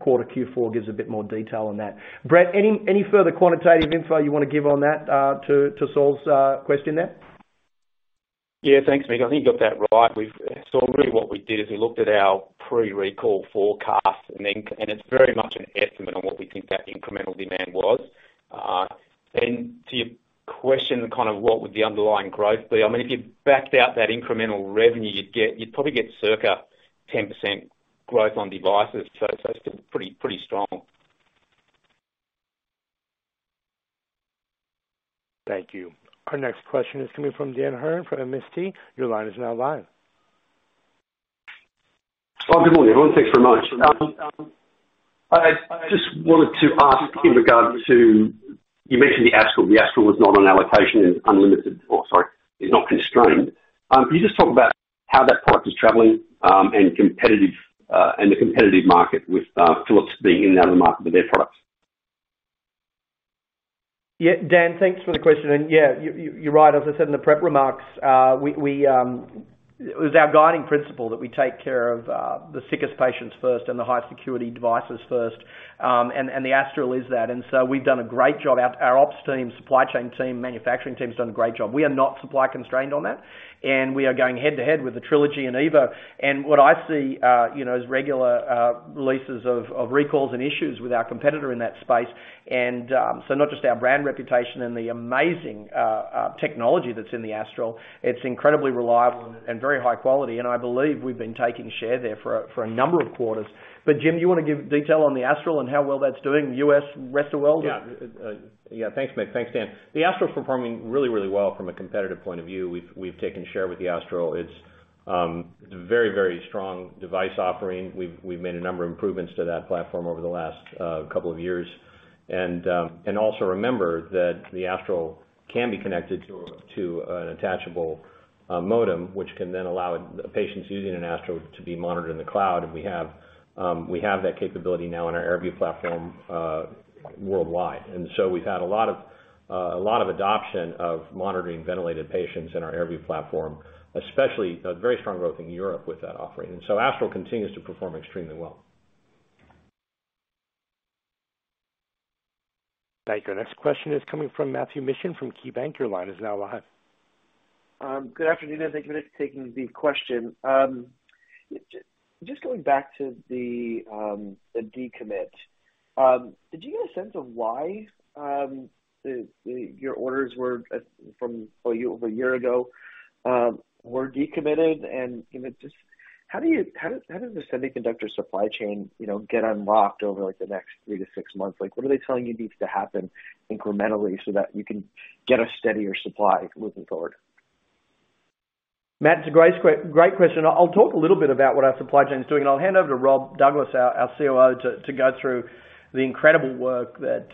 [SPEAKER 3] quarter. Q4 gives a bit more detail on that. Brett, any further quantitative info you wanna give on that, to Saul's question there?
[SPEAKER 4] Yeah, thanks, Mick. I think you got that right. Really what we did is we looked at our pre-recall forecast, and it's very much an estimate on what we think that incremental demand was. And to your question, kind of what would the underlying growth be? I mean, if you backed out that incremental revenue you'd get, you'd probably get circa 10% growth on devices. It's still pretty strong.
[SPEAKER 1] Thank you. Our next question is coming from Dan Hurren from MST. Your line is now live.
[SPEAKER 10] Good morning, everyone. Thanks very much. I just wanted to ask in regard to you mentioned the Astral. The Astral was not on allocation and is not constrained. Can you just talk about how that product is traveling and the competitive market with Philips being in that market with their products?
[SPEAKER 3] Yeah, Dan, thanks for the question. Yeah, you're right. As I said in the prepared remarks, it was our guiding principle that we take care of the sickest patients first and the high acuity devices first. The Astral is that. We've done a great job. Our ops team, supply chain team, manufacturing team has done a great job. We are not supply constrained on that, and we are going head-to-head with the Trilogy and Evo. What I see, you know, as regular releases of recalls and issues with our competitor in that space. Not just our brand reputation and the amazing technology that's in the Astral. It's incredibly reliable and very high quality, and I believe we've been taking share there for a number of quarters. Jim, do you wanna give detail on the Astral and how well that's doing, U.S., rest of the world?
[SPEAKER 8] Yeah, thanks, Mick. Thanks, Dan. The Astral is performing really well from a competitive point of view. We've taken share with the Astral. It's very strong device offering. We've made a number of improvements to that platform over the last couple of years. Also remember that the Astral can be connected to an attachable modem, which can then allow patients using an Astral to be monitored in the cloud. We have that capability now in our AirView platform worldwide. We've had a lot of adoption of monitoring ventilated patients in our AirView platform, especially very strong growth in Europe with that offering. Astral continues to perform extremely well.
[SPEAKER 1] Thank you. Our next question is coming from Matt Mishan from KeyBanc. Your line is now live.
[SPEAKER 11] Good afternoon, and thank you for taking the question. Just going back to the decommit, did you get a sense of why your orders from well over a year ago were decommitted? Even just how does the semiconductor supply chain, you know, get unlocked over, like, the next three, six months? Like, what are they telling you needs to happen incrementally so that you can get a steadier supply moving forward?
[SPEAKER 3] Matt, it's a great question. I'll talk a little bit about what our supply chain is doing, and I'll hand over to Rob Douglas, our COO, to go through the incredible work that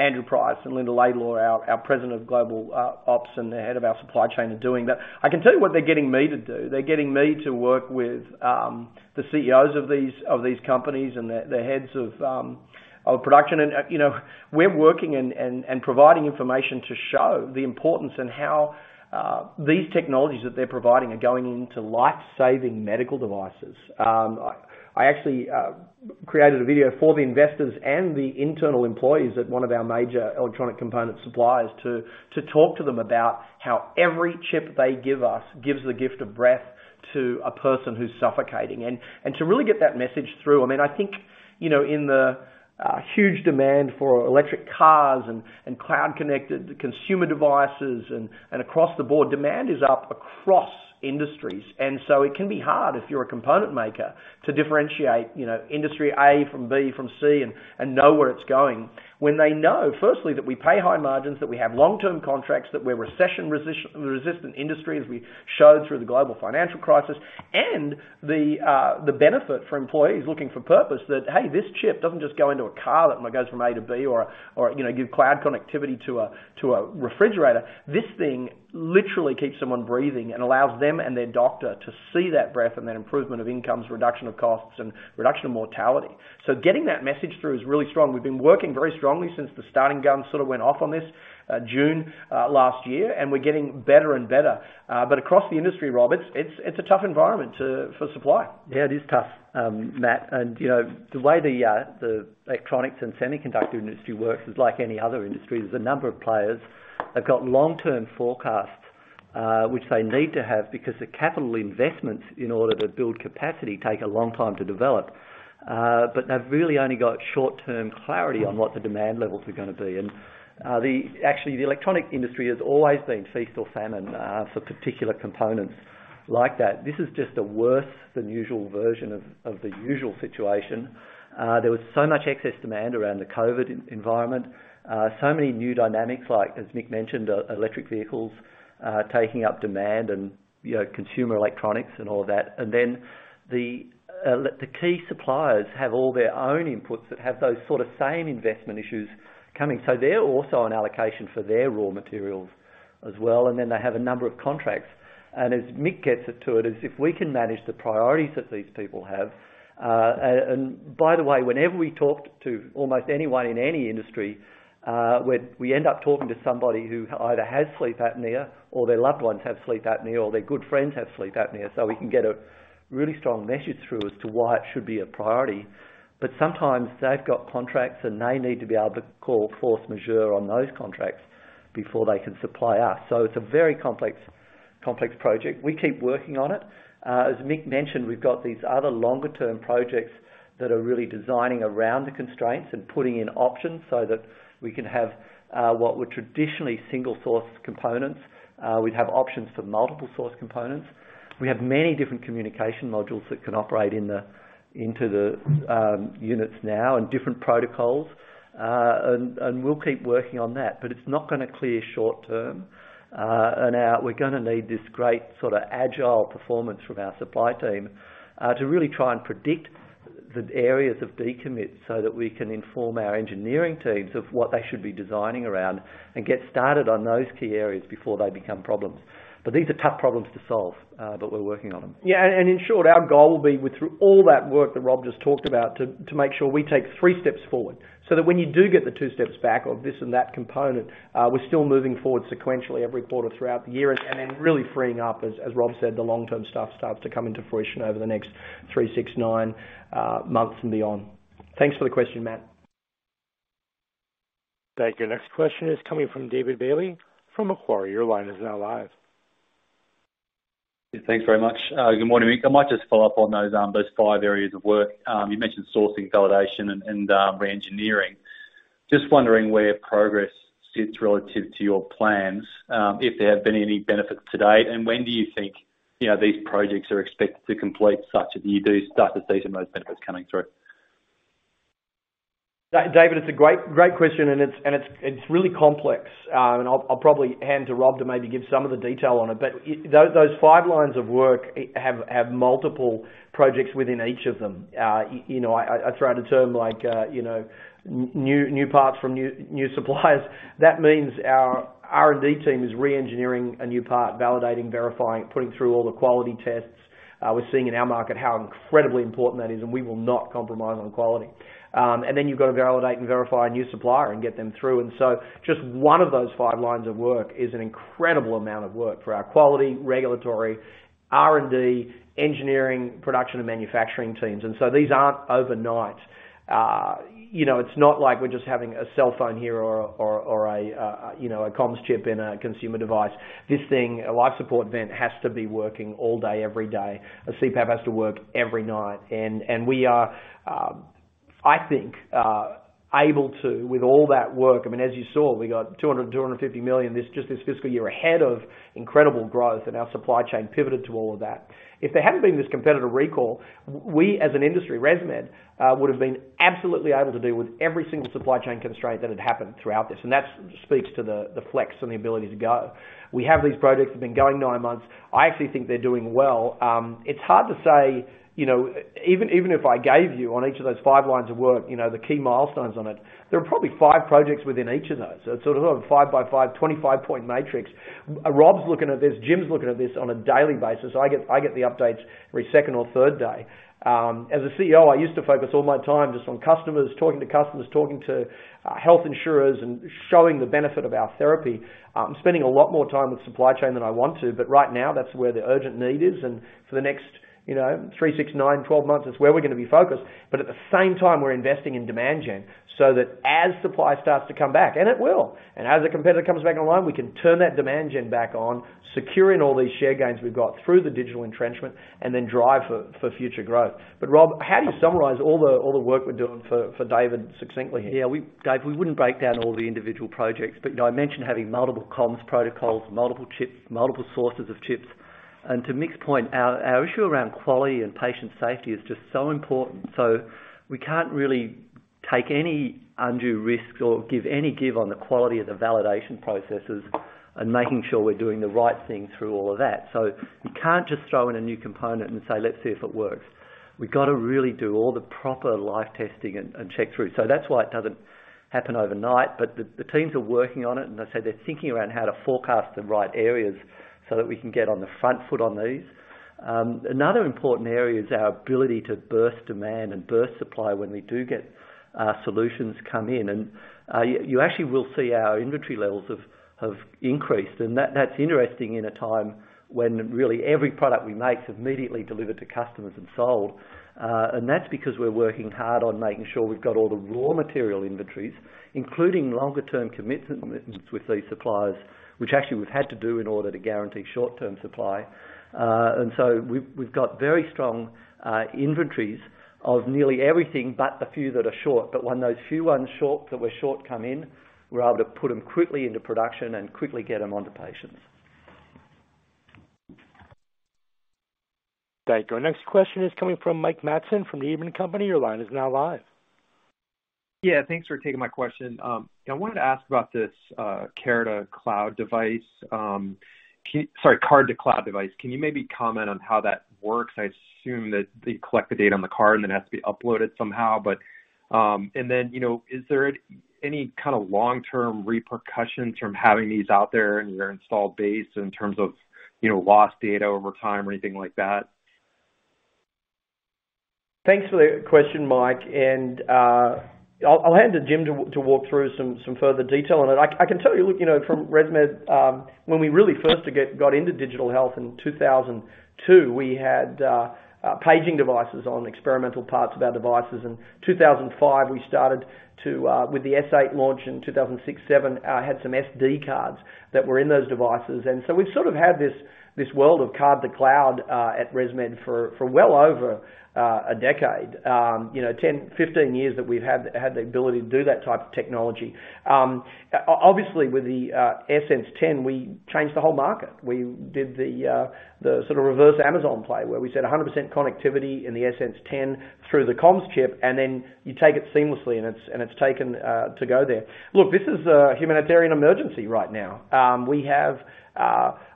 [SPEAKER 3] Andrew Price and Linda Laidlaw, our President of Global Ops and the head of our supply chain are doing. I can tell you what they're getting me to do. They're getting me to work with the CEOs of these companies and the heads of production. You know, we're working and providing information to show the importance and how these technologies that they're providing are going into life-saving medical devices. I actually created a video for the investors and the internal employees at one of our major electronic component suppliers to talk to them about how every chip they give us gives the gift of breath to a person who's suffocating. To really get that message through. I mean, I think, you know, in the huge demand for electric cars and cloud connected consumer devices and across the board, demand is up across industries. It can be hard if you're a component maker to differentiate, you know, industry A from B from C and know where it's going. When they know, firstly, that we pay high margins, that we have long-term contracts, that we're a recession-resistant industry, as we showed through the global financial crisis. The benefit for employees looking for purpose that, hey, this chip doesn't just go into a car that goes from A to B or, you know, give cloud connectivity to a, to a refrigerator. This thing literally keeps someone breathing and allows them and their doctor to see that breath and that improvement of outcomes, reduction of costs, and reduction of mortality. Getting that message through is really strong. We've been working very strongly since the starting gun sort of went off on this, June last year, and we're getting better and better. Across the industry, Rob, it's a tough environment for supply.
[SPEAKER 12] Yeah, it is tough, Matt. You know, the way the electronics and semiconductor industry works is like any other industry. There's a number of players that got long-term forecasts, which they need to have because the capital investments in order to build capacity take a long time to develop. They've really only got short-term clarity on what the demand levels are gonna be. Actually, the electronics industry has always been feast or famine for particular components like that. This is just a worse than usual version of the usual situation. There was so much excess demand around the COVID environment, so many new dynamics like, as Mick mentioned, electric vehicles taking up demand and, you know, consumer electronics and all that. Then the key suppliers have all their own inputs that have those sort of same investment issues coming. They're also on allocation for their raw materials as well, and then they have a number of contracts. As Mick gets to it is if we can manage the priorities that these people have. By the way, whenever we talk to almost anyone in any industry, we end up talking to somebody who either has sleep apnea or their loved ones have sleep apnea or their good friends have sleep apnea. We can get a really strong message through as to why it should be a priority. Sometimes they've got contracts, and they need to be able to call force majeure on those contracts before they can supply us. It's a very complex project. We keep working on it. As Mick mentioned, we've got these other longer term projects that are really designing around the constraints and putting in options so that we can have what were traditionally single source components. We'd have options for multiple source components. We have many different communication modules that can operate in the units now and different protocols. We'll keep working on that, but it's not gonna clear short-term. Now we're gonna need this great sort of agile performance from our supply team to really try and predict the areas of decommit so that we can inform our engineering teams of what they should be designing around and get started on those key areas before they become problems. These are tough problems to solve, but we're working on them.
[SPEAKER 3] In short, our goal will be through all that work that Rob just talked about, to make sure we take three steps forward so that when you do get the two steps back of this and that component, we're still moving forward sequentially every quarter throughout the year. Then really freeing up, as Rob said, the long-term stuff starts to come into fruition over the next three, six, nine months and beyond. Thanks for the question, Matt.
[SPEAKER 1] Thank you. Next question is coming from David Bailey from Macquarie. Your line is now live.
[SPEAKER 13] Thanks very much. Good morning. I might just follow up on those five areas of work. You mentioned sourcing, validation, and reengineering. Just wondering where progress sits relative to your plans, if there have been any benefits to date, and when do you think, you know, these projects are expected to complete such that you do start to see some of those benefits coming through?
[SPEAKER 3] David, it's a great question, and it's really complex. I'll probably hand to Rob to maybe give some of the detail on it. Those five lines of work have multiple projects within each of them. You know, I throw out a term like, you know, new parts from new suppliers. That means our R&D team is reengineering a new part, validating, verifying, putting through all the quality tests. We're seeing in our market how incredibly important that is, and we will not compromise on quality. Then you've got to validate and verify a new supplier and get them through. Just one of those five lines of work is an incredible amount of work for our quality, regulatory, R&D, engineering, production, and manufacturing teams. These aren't overnight. You know, it's not like we're just having a cell phone here or a you know, a comms chip in a consumer device. This thing, a life support vent, has to be working all day, every day. A CPAP has to work every night. We are, I think, able to, with all that work, I mean, as you saw, we got $250 million this, just this fiscal year ahead of incredible growth and our supply chain pivoted to all of that. If there hadn't been this competitive recall, we as an industry, ResMed, would've been absolutely able to deal with every single supply chain constraint that had happened throughout this, and that speaks to the flex and the ability to go. We have these projects that have been going nine months. I actually think they're doing well. It's hard to say, you know, even if I gave you on each of those five lines of work, you know, the key milestones on it, there are probably five projects within each of those. So it's sort of a 5-by-5, 25-point matrix. Rob's looking at this, Jim's looking at this on a daily basis. I get the updates every second or third day. As a CEO, I used to focus all my time just on customers, talking to customers, talking to health insurers, and showing the benefit of our therapy. Spending a lot more time with supply chain than I want to, but right now, that's where the urgent need is. For the next, you know, three, six, nine, 12 months, that's where we're gonna be focused. At the same time, we're investing in demand gen, so that as supply starts to come back, and it will, and as the competitor comes back online, we can turn that demand gen back on, secure in all these share gains we've got through the digital entrenchment, and then drive for future growth. Rob, how do you summarize all the work we're doing for David succinctly here?
[SPEAKER 12] Yeah. We, David, we wouldn't break down all the individual projects, but, you know, I mentioned having multiple comms protocols, multiple chips, multiple sources of chips. To Mick's point, our issue around quality and patient safety is just so important. We can't really take any undue risk or give any ground on the quality of the validation processes and making sure we're doing the right thing through all of that. We can't just throw in a new component and say, "Let's see if it works." We've got to really do all the proper life testing and check through. That's why it doesn't happen overnight. The teams are working on it, and as I said, they're thinking around how to forecast the right areas so that we can get on the front foot on these. Another important area is our ability to burst demand and burst supply when we do get solutions come in. You actually will see our inventory levels have increased. That's interesting in a time when really every product we make is immediately delivered to customers and sold. That's because we're working hard on making sure we've got all the raw material inventories, including longer term commitments with these suppliers, which actually we've had to do in order to guarantee short-term supply. We've got very strong inventories of nearly everything but the few that are short. When those few ones short, that were short come in, we're able to put them quickly into production and quickly get them onto patients.
[SPEAKER 1] Thank you. Our next question is coming from Mike Matson from Needham & Company. Your line is now live.
[SPEAKER 14] Yeah. Thanks for taking my question. I wanted to ask about this Card-to-Cloud device. Sorry, Card-to-Cloud device. Can you maybe comment on how that works? I assume that they collect the data on the card, and then it has to be uploaded somehow. But, and then, you know, is there any kind of long-term repercussions from having these out there in your install base in terms of, you know, lost data over time or anything like that?
[SPEAKER 3] Thanks for the question, Mike, and I'll hand to Jim to walk through some further detail on it. I can tell you, look, you know, from ResMed, when we really first got into digital health in 2002, we had paging devices on experimental parts of our devices. In 2005, we started to, with the S8 launch in 2006-2007, had some SD cards that were in those devices. We've sort of had this world of card-to-cloud at ResMed for well over a decade. You know, 10, 15 years that we've had the ability to do that type of technology. Obviously, with the AirSense 10, we changed the whole market. We did the sort of reverse Amazon play, where we said 100% connectivity in the AirSense 10 through the comms chip, and then you take it seamlessly, and it's taken to go there. Look, this is a humanitarian emergency right now. We have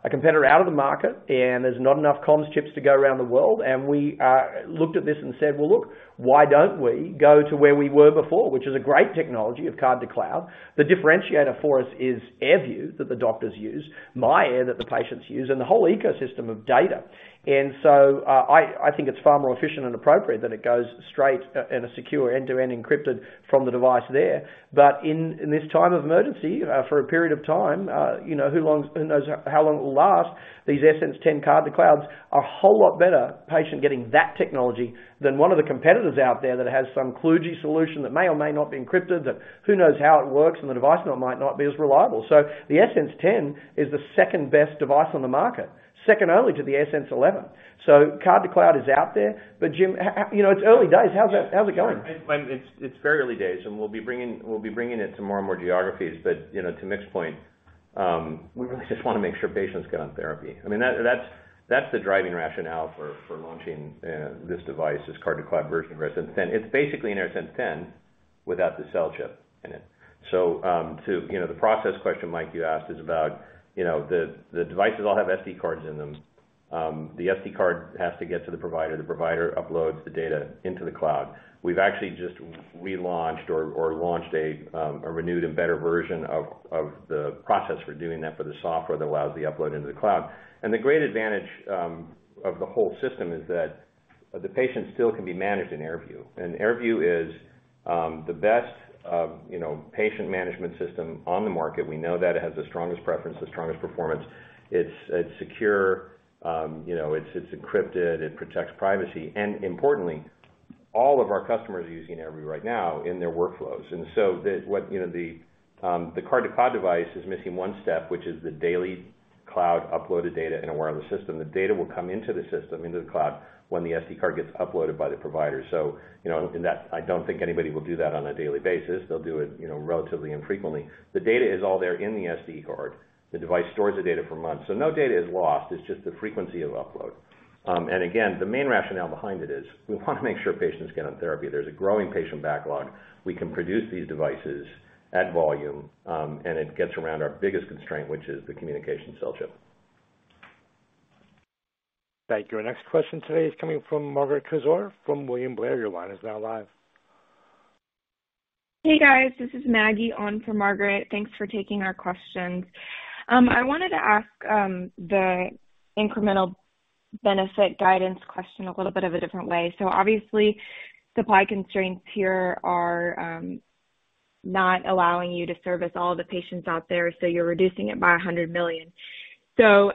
[SPEAKER 3] a competitor out of the market, and there's not enough comms chips to go around the world, and we looked at this and said, "Well, look, why don't we go to where we were before?" Which is a great technology of card-to-cloud. The differentiator for us is AirView that the doctors use, myAir that the patients use, and the whole ecosystem of data. I think it's far more efficient and appropriate that it goes straight in a secure end-to-end encrypted from the device there. In this time of emergency, for a period of time, you know, who knows how long it will last, these AirSense 10 Card-to-Clouds are a whole lot better for patients getting that technology than one of the competitors out there that has some kludgy solution that may or may not be encrypted, that, who knows, how it works, and the device might not be as reliable. The AirSense 10 is the second-best device on the market. Second only to the AirSense 11. Card-to-Cloud is out there. Jim, you know, it's early days. How's it going?
[SPEAKER 8] It's very early days, and we'll be bringing it to more and more geographies. You know, to Mick's point, we really just wanna make sure patients get on therapy. I mean, that's the driving rationale for launching this device, this Card-to-Cloud version of AirSense 10. It's basically an AirSense 10 without the cell chip in it. You know, the process question you asked, Mike, is about, you know, the devices all have SD cards in them. The SD card has to get to the provider, the provider uploads the data into the cloud. We've actually just relaunched or launched a renewed and better version of the process for doing that for the software that allows the upload into the cloud. The great advantage of the whole system is that the patient still can be managed in AirView. AirView is the best, you know, patient management system on the market. We know that it has the strongest preference, the strongest performance. It's secure. You know, it's encrypted, it protects privacy. Importantly, all of our customers are using AirView right now in their workflows. The card-to-cloud device is missing one step, which is the daily cloud uploaded data in AirView system. The data will come into the system, into the cloud, when the SD card gets uploaded by the provider. You know, I don't think anybody will do that on a daily basis. They'll do it, you know, relatively infrequently. The data is all there in the SD card. The device stores the data for months. No data is lost, it's just the frequency of upload. Again, the main rationale behind it is we wanna make sure patients get on therapy. There's a growing patient backlog. We can produce these devices at volume, and it gets around our biggest constraint, which is the communication cell chip.
[SPEAKER 1] Thank you. Our next question today is coming from Margaret Kaczor from William Blair. Your line is now live.
[SPEAKER 15] Hey, guys. This is Maggie on for Margaret. Thanks for taking our questions. I wanted to ask the incremental benefit guidance question a little bit of a different way. Obviously, supply constraints here are not allowing you to service all the patients out there, so you're reducing it by $100 million.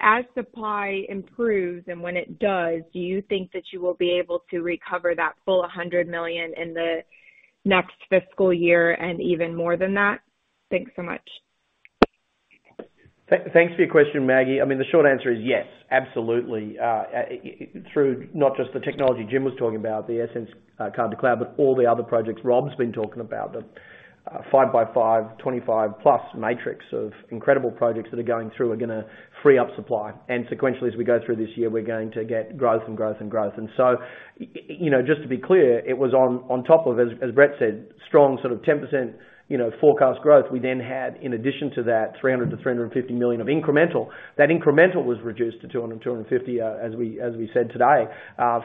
[SPEAKER 15] As supply improves, and when it does, do you think that you will be able to recover that full $100 million in the next fiscal year and even more than that? Thanks so much.
[SPEAKER 3] Thanks for your question, Maggie. I mean, the short answer is yes, absolutely. Through not just the technology Jim was talking about, the AirSense card-to-cloud, but all the other projects Rob's been talking about. The 5-by-5, 25+ matrix of incredible projects that are going through are gonna free up supply. Sequentially, as we go through this year, we're going to get growth and growth and growth. You know, just to be clear, it was on top of, as Brett said, strong sort of 10%, you know, forecast growth. We then had, in addition to that, $300 million-$350 million of incremental. That incremental was reduced to $200-$250, as we said today,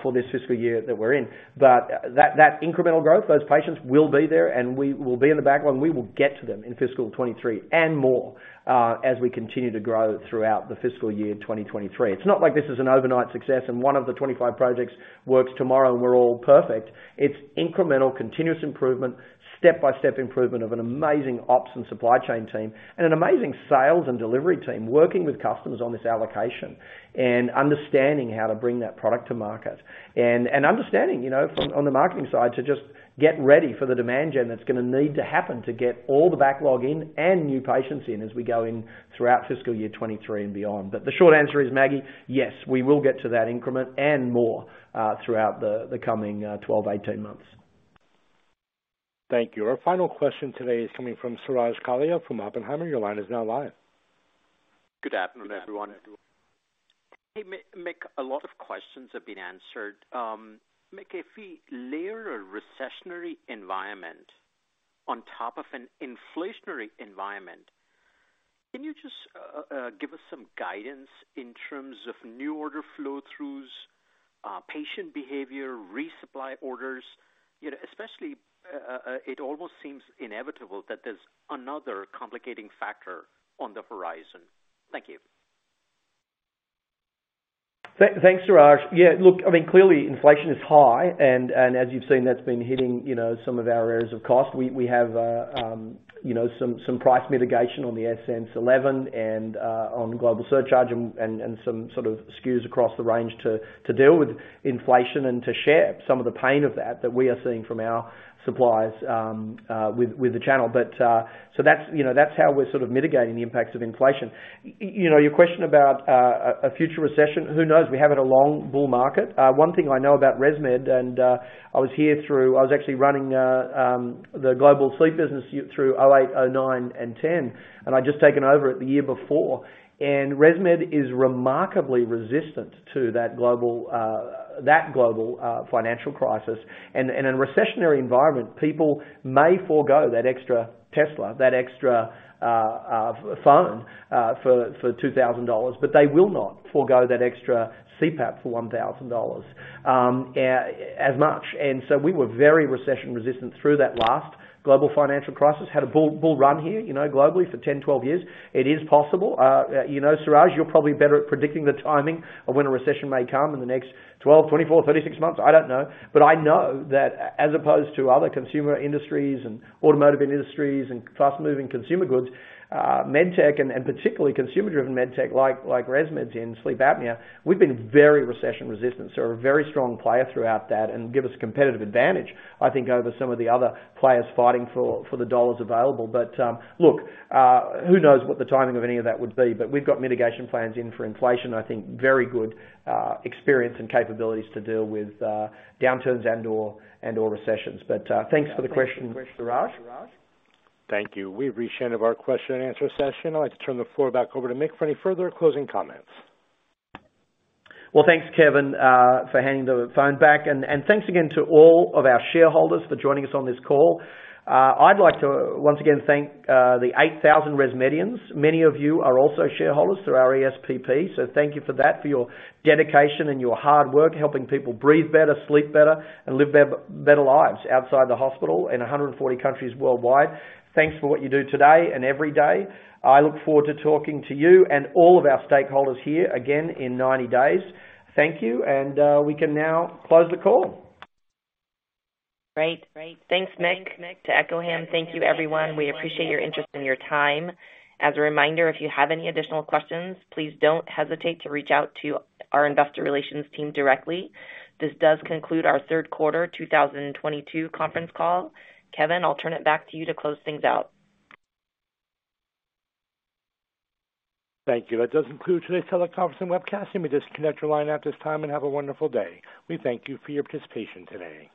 [SPEAKER 3] for this fiscal year that we're in. That incremental growth, those patients will be there, and we will be in the backlog, and we will get to them in fiscal 2023 and more, as we continue to grow throughout the fiscal year 2023. It's not like this is an overnight success and one of the 25 projects works tomorrow, and we're all perfect. It's incremental, continuous improvement, step-by-step improvement of an amazing ops and supply chain team, and an amazing sales and delivery team working with customers on this allocation and understanding how to bring that product to market. And understanding, you know, on the marketing side, to just get ready for the demand gen that's gonna need to happen to get all the backlog in and new patients in as we go in throughout fiscal year 2023 and beyond. The short answer is, Maggie, yes, we will get to that increment and more throughout the coming 12-18 months.
[SPEAKER 1] Thank you. Our final question today is coming from Suraj Kalia from Oppenheimer. Your line is now live.
[SPEAKER 16] Good afternoon, everyone. Hey, Mick, a lot of questions have been answered. Mick, if we layer a recessionary environment on top of an inflationary environment, can you just give us some guidance in terms of new order flow-throughs, patient behavior, resupply orders? You know, especially, it almost seems inevitable that there's another complicating factor on the horizon. Thank you.
[SPEAKER 3] Thanks, Suraj. Yeah, look, I mean, clearly inflation is high and as you've seen, that's been hitting, you know, some of our areas of cost. We have, you know, some price mitigation on the AirSense 11 and on global surcharge and some sort of SKUs across the range to deal with inflation and to share some of the pain of that we are seeing from our suppliers with the channel. That's, you know, that's how we're sort of mitigating the impacts of inflation. You know, your question about a future recession, who knows? We're having a long bull market. One thing I know about ResMed, I was here through... I was actually running the global sleep business through 2008, 2009, and 2010, and I'd just taken over it the year before. ResMed is remarkably resistant to that global financial crisis. In a recessionary environment, people may forego that extra Tesla, that extra phone for $2,000, but they will not forego that extra CPAP for $1,000 as much. We were very recession-resistant through that last global financial crisis. Had a bull run here, you know, globally for 10, 12 years. It is possible. You know, Suraj, you're probably better at predicting the timing of when a recession may come in the next 12, 24, 36 months. I don't know. I know that as opposed to other consumer industries and automotive industries and fast-moving consumer goods, med tech and particularly consumer-driven med tech like ResMed's in sleep apnea, we've been very recession-resistant. We're a very strong player throughout that and give us competitive advantage, I think, over some of the other players fighting for the dollars available. Look, who knows what the timing of any of that would be? We've got mitigation plans in for inflation. I think very good experience and capabilities to deal with downturns and/or recessions. Thanks for the question, Suraj.
[SPEAKER 1] Thank you. We've reached the end of our question and answer session. I'd like to turn the floor back over to Mick for any further closing comments.
[SPEAKER 3] Well, thanks, Kevin, for handing the phone back. Thanks again to all of our shareholders for joining us on this call. I'd like to once again thank the 8,000 ResMedians. Many of you are also shareholders through our ESPP, so thank you for that, for your dedication and your hard work, helping people breathe better, sleep better, and live better lives outside the hospital in 140 countries worldwide. Thanks for what you do today and every day. I look forward to talking to you and all of our stakeholders here again in 90 days. Thank you, and we can now close the call.
[SPEAKER 2] Great. Thanks, Mick. To echo him, thank you, everyone. We appreciate your interest and your time. As a reminder, if you have any additional questions, please don't hesitate to reach out to our investor relations team directly. This does conclude our third quarter 2022 conference call. Kevin, I'll turn it back to you to close things out.
[SPEAKER 1] Thank you. That does conclude today's teleconference and webcast. You may disconnect your line at this time and have a wonderful day. We thank you for your participation today.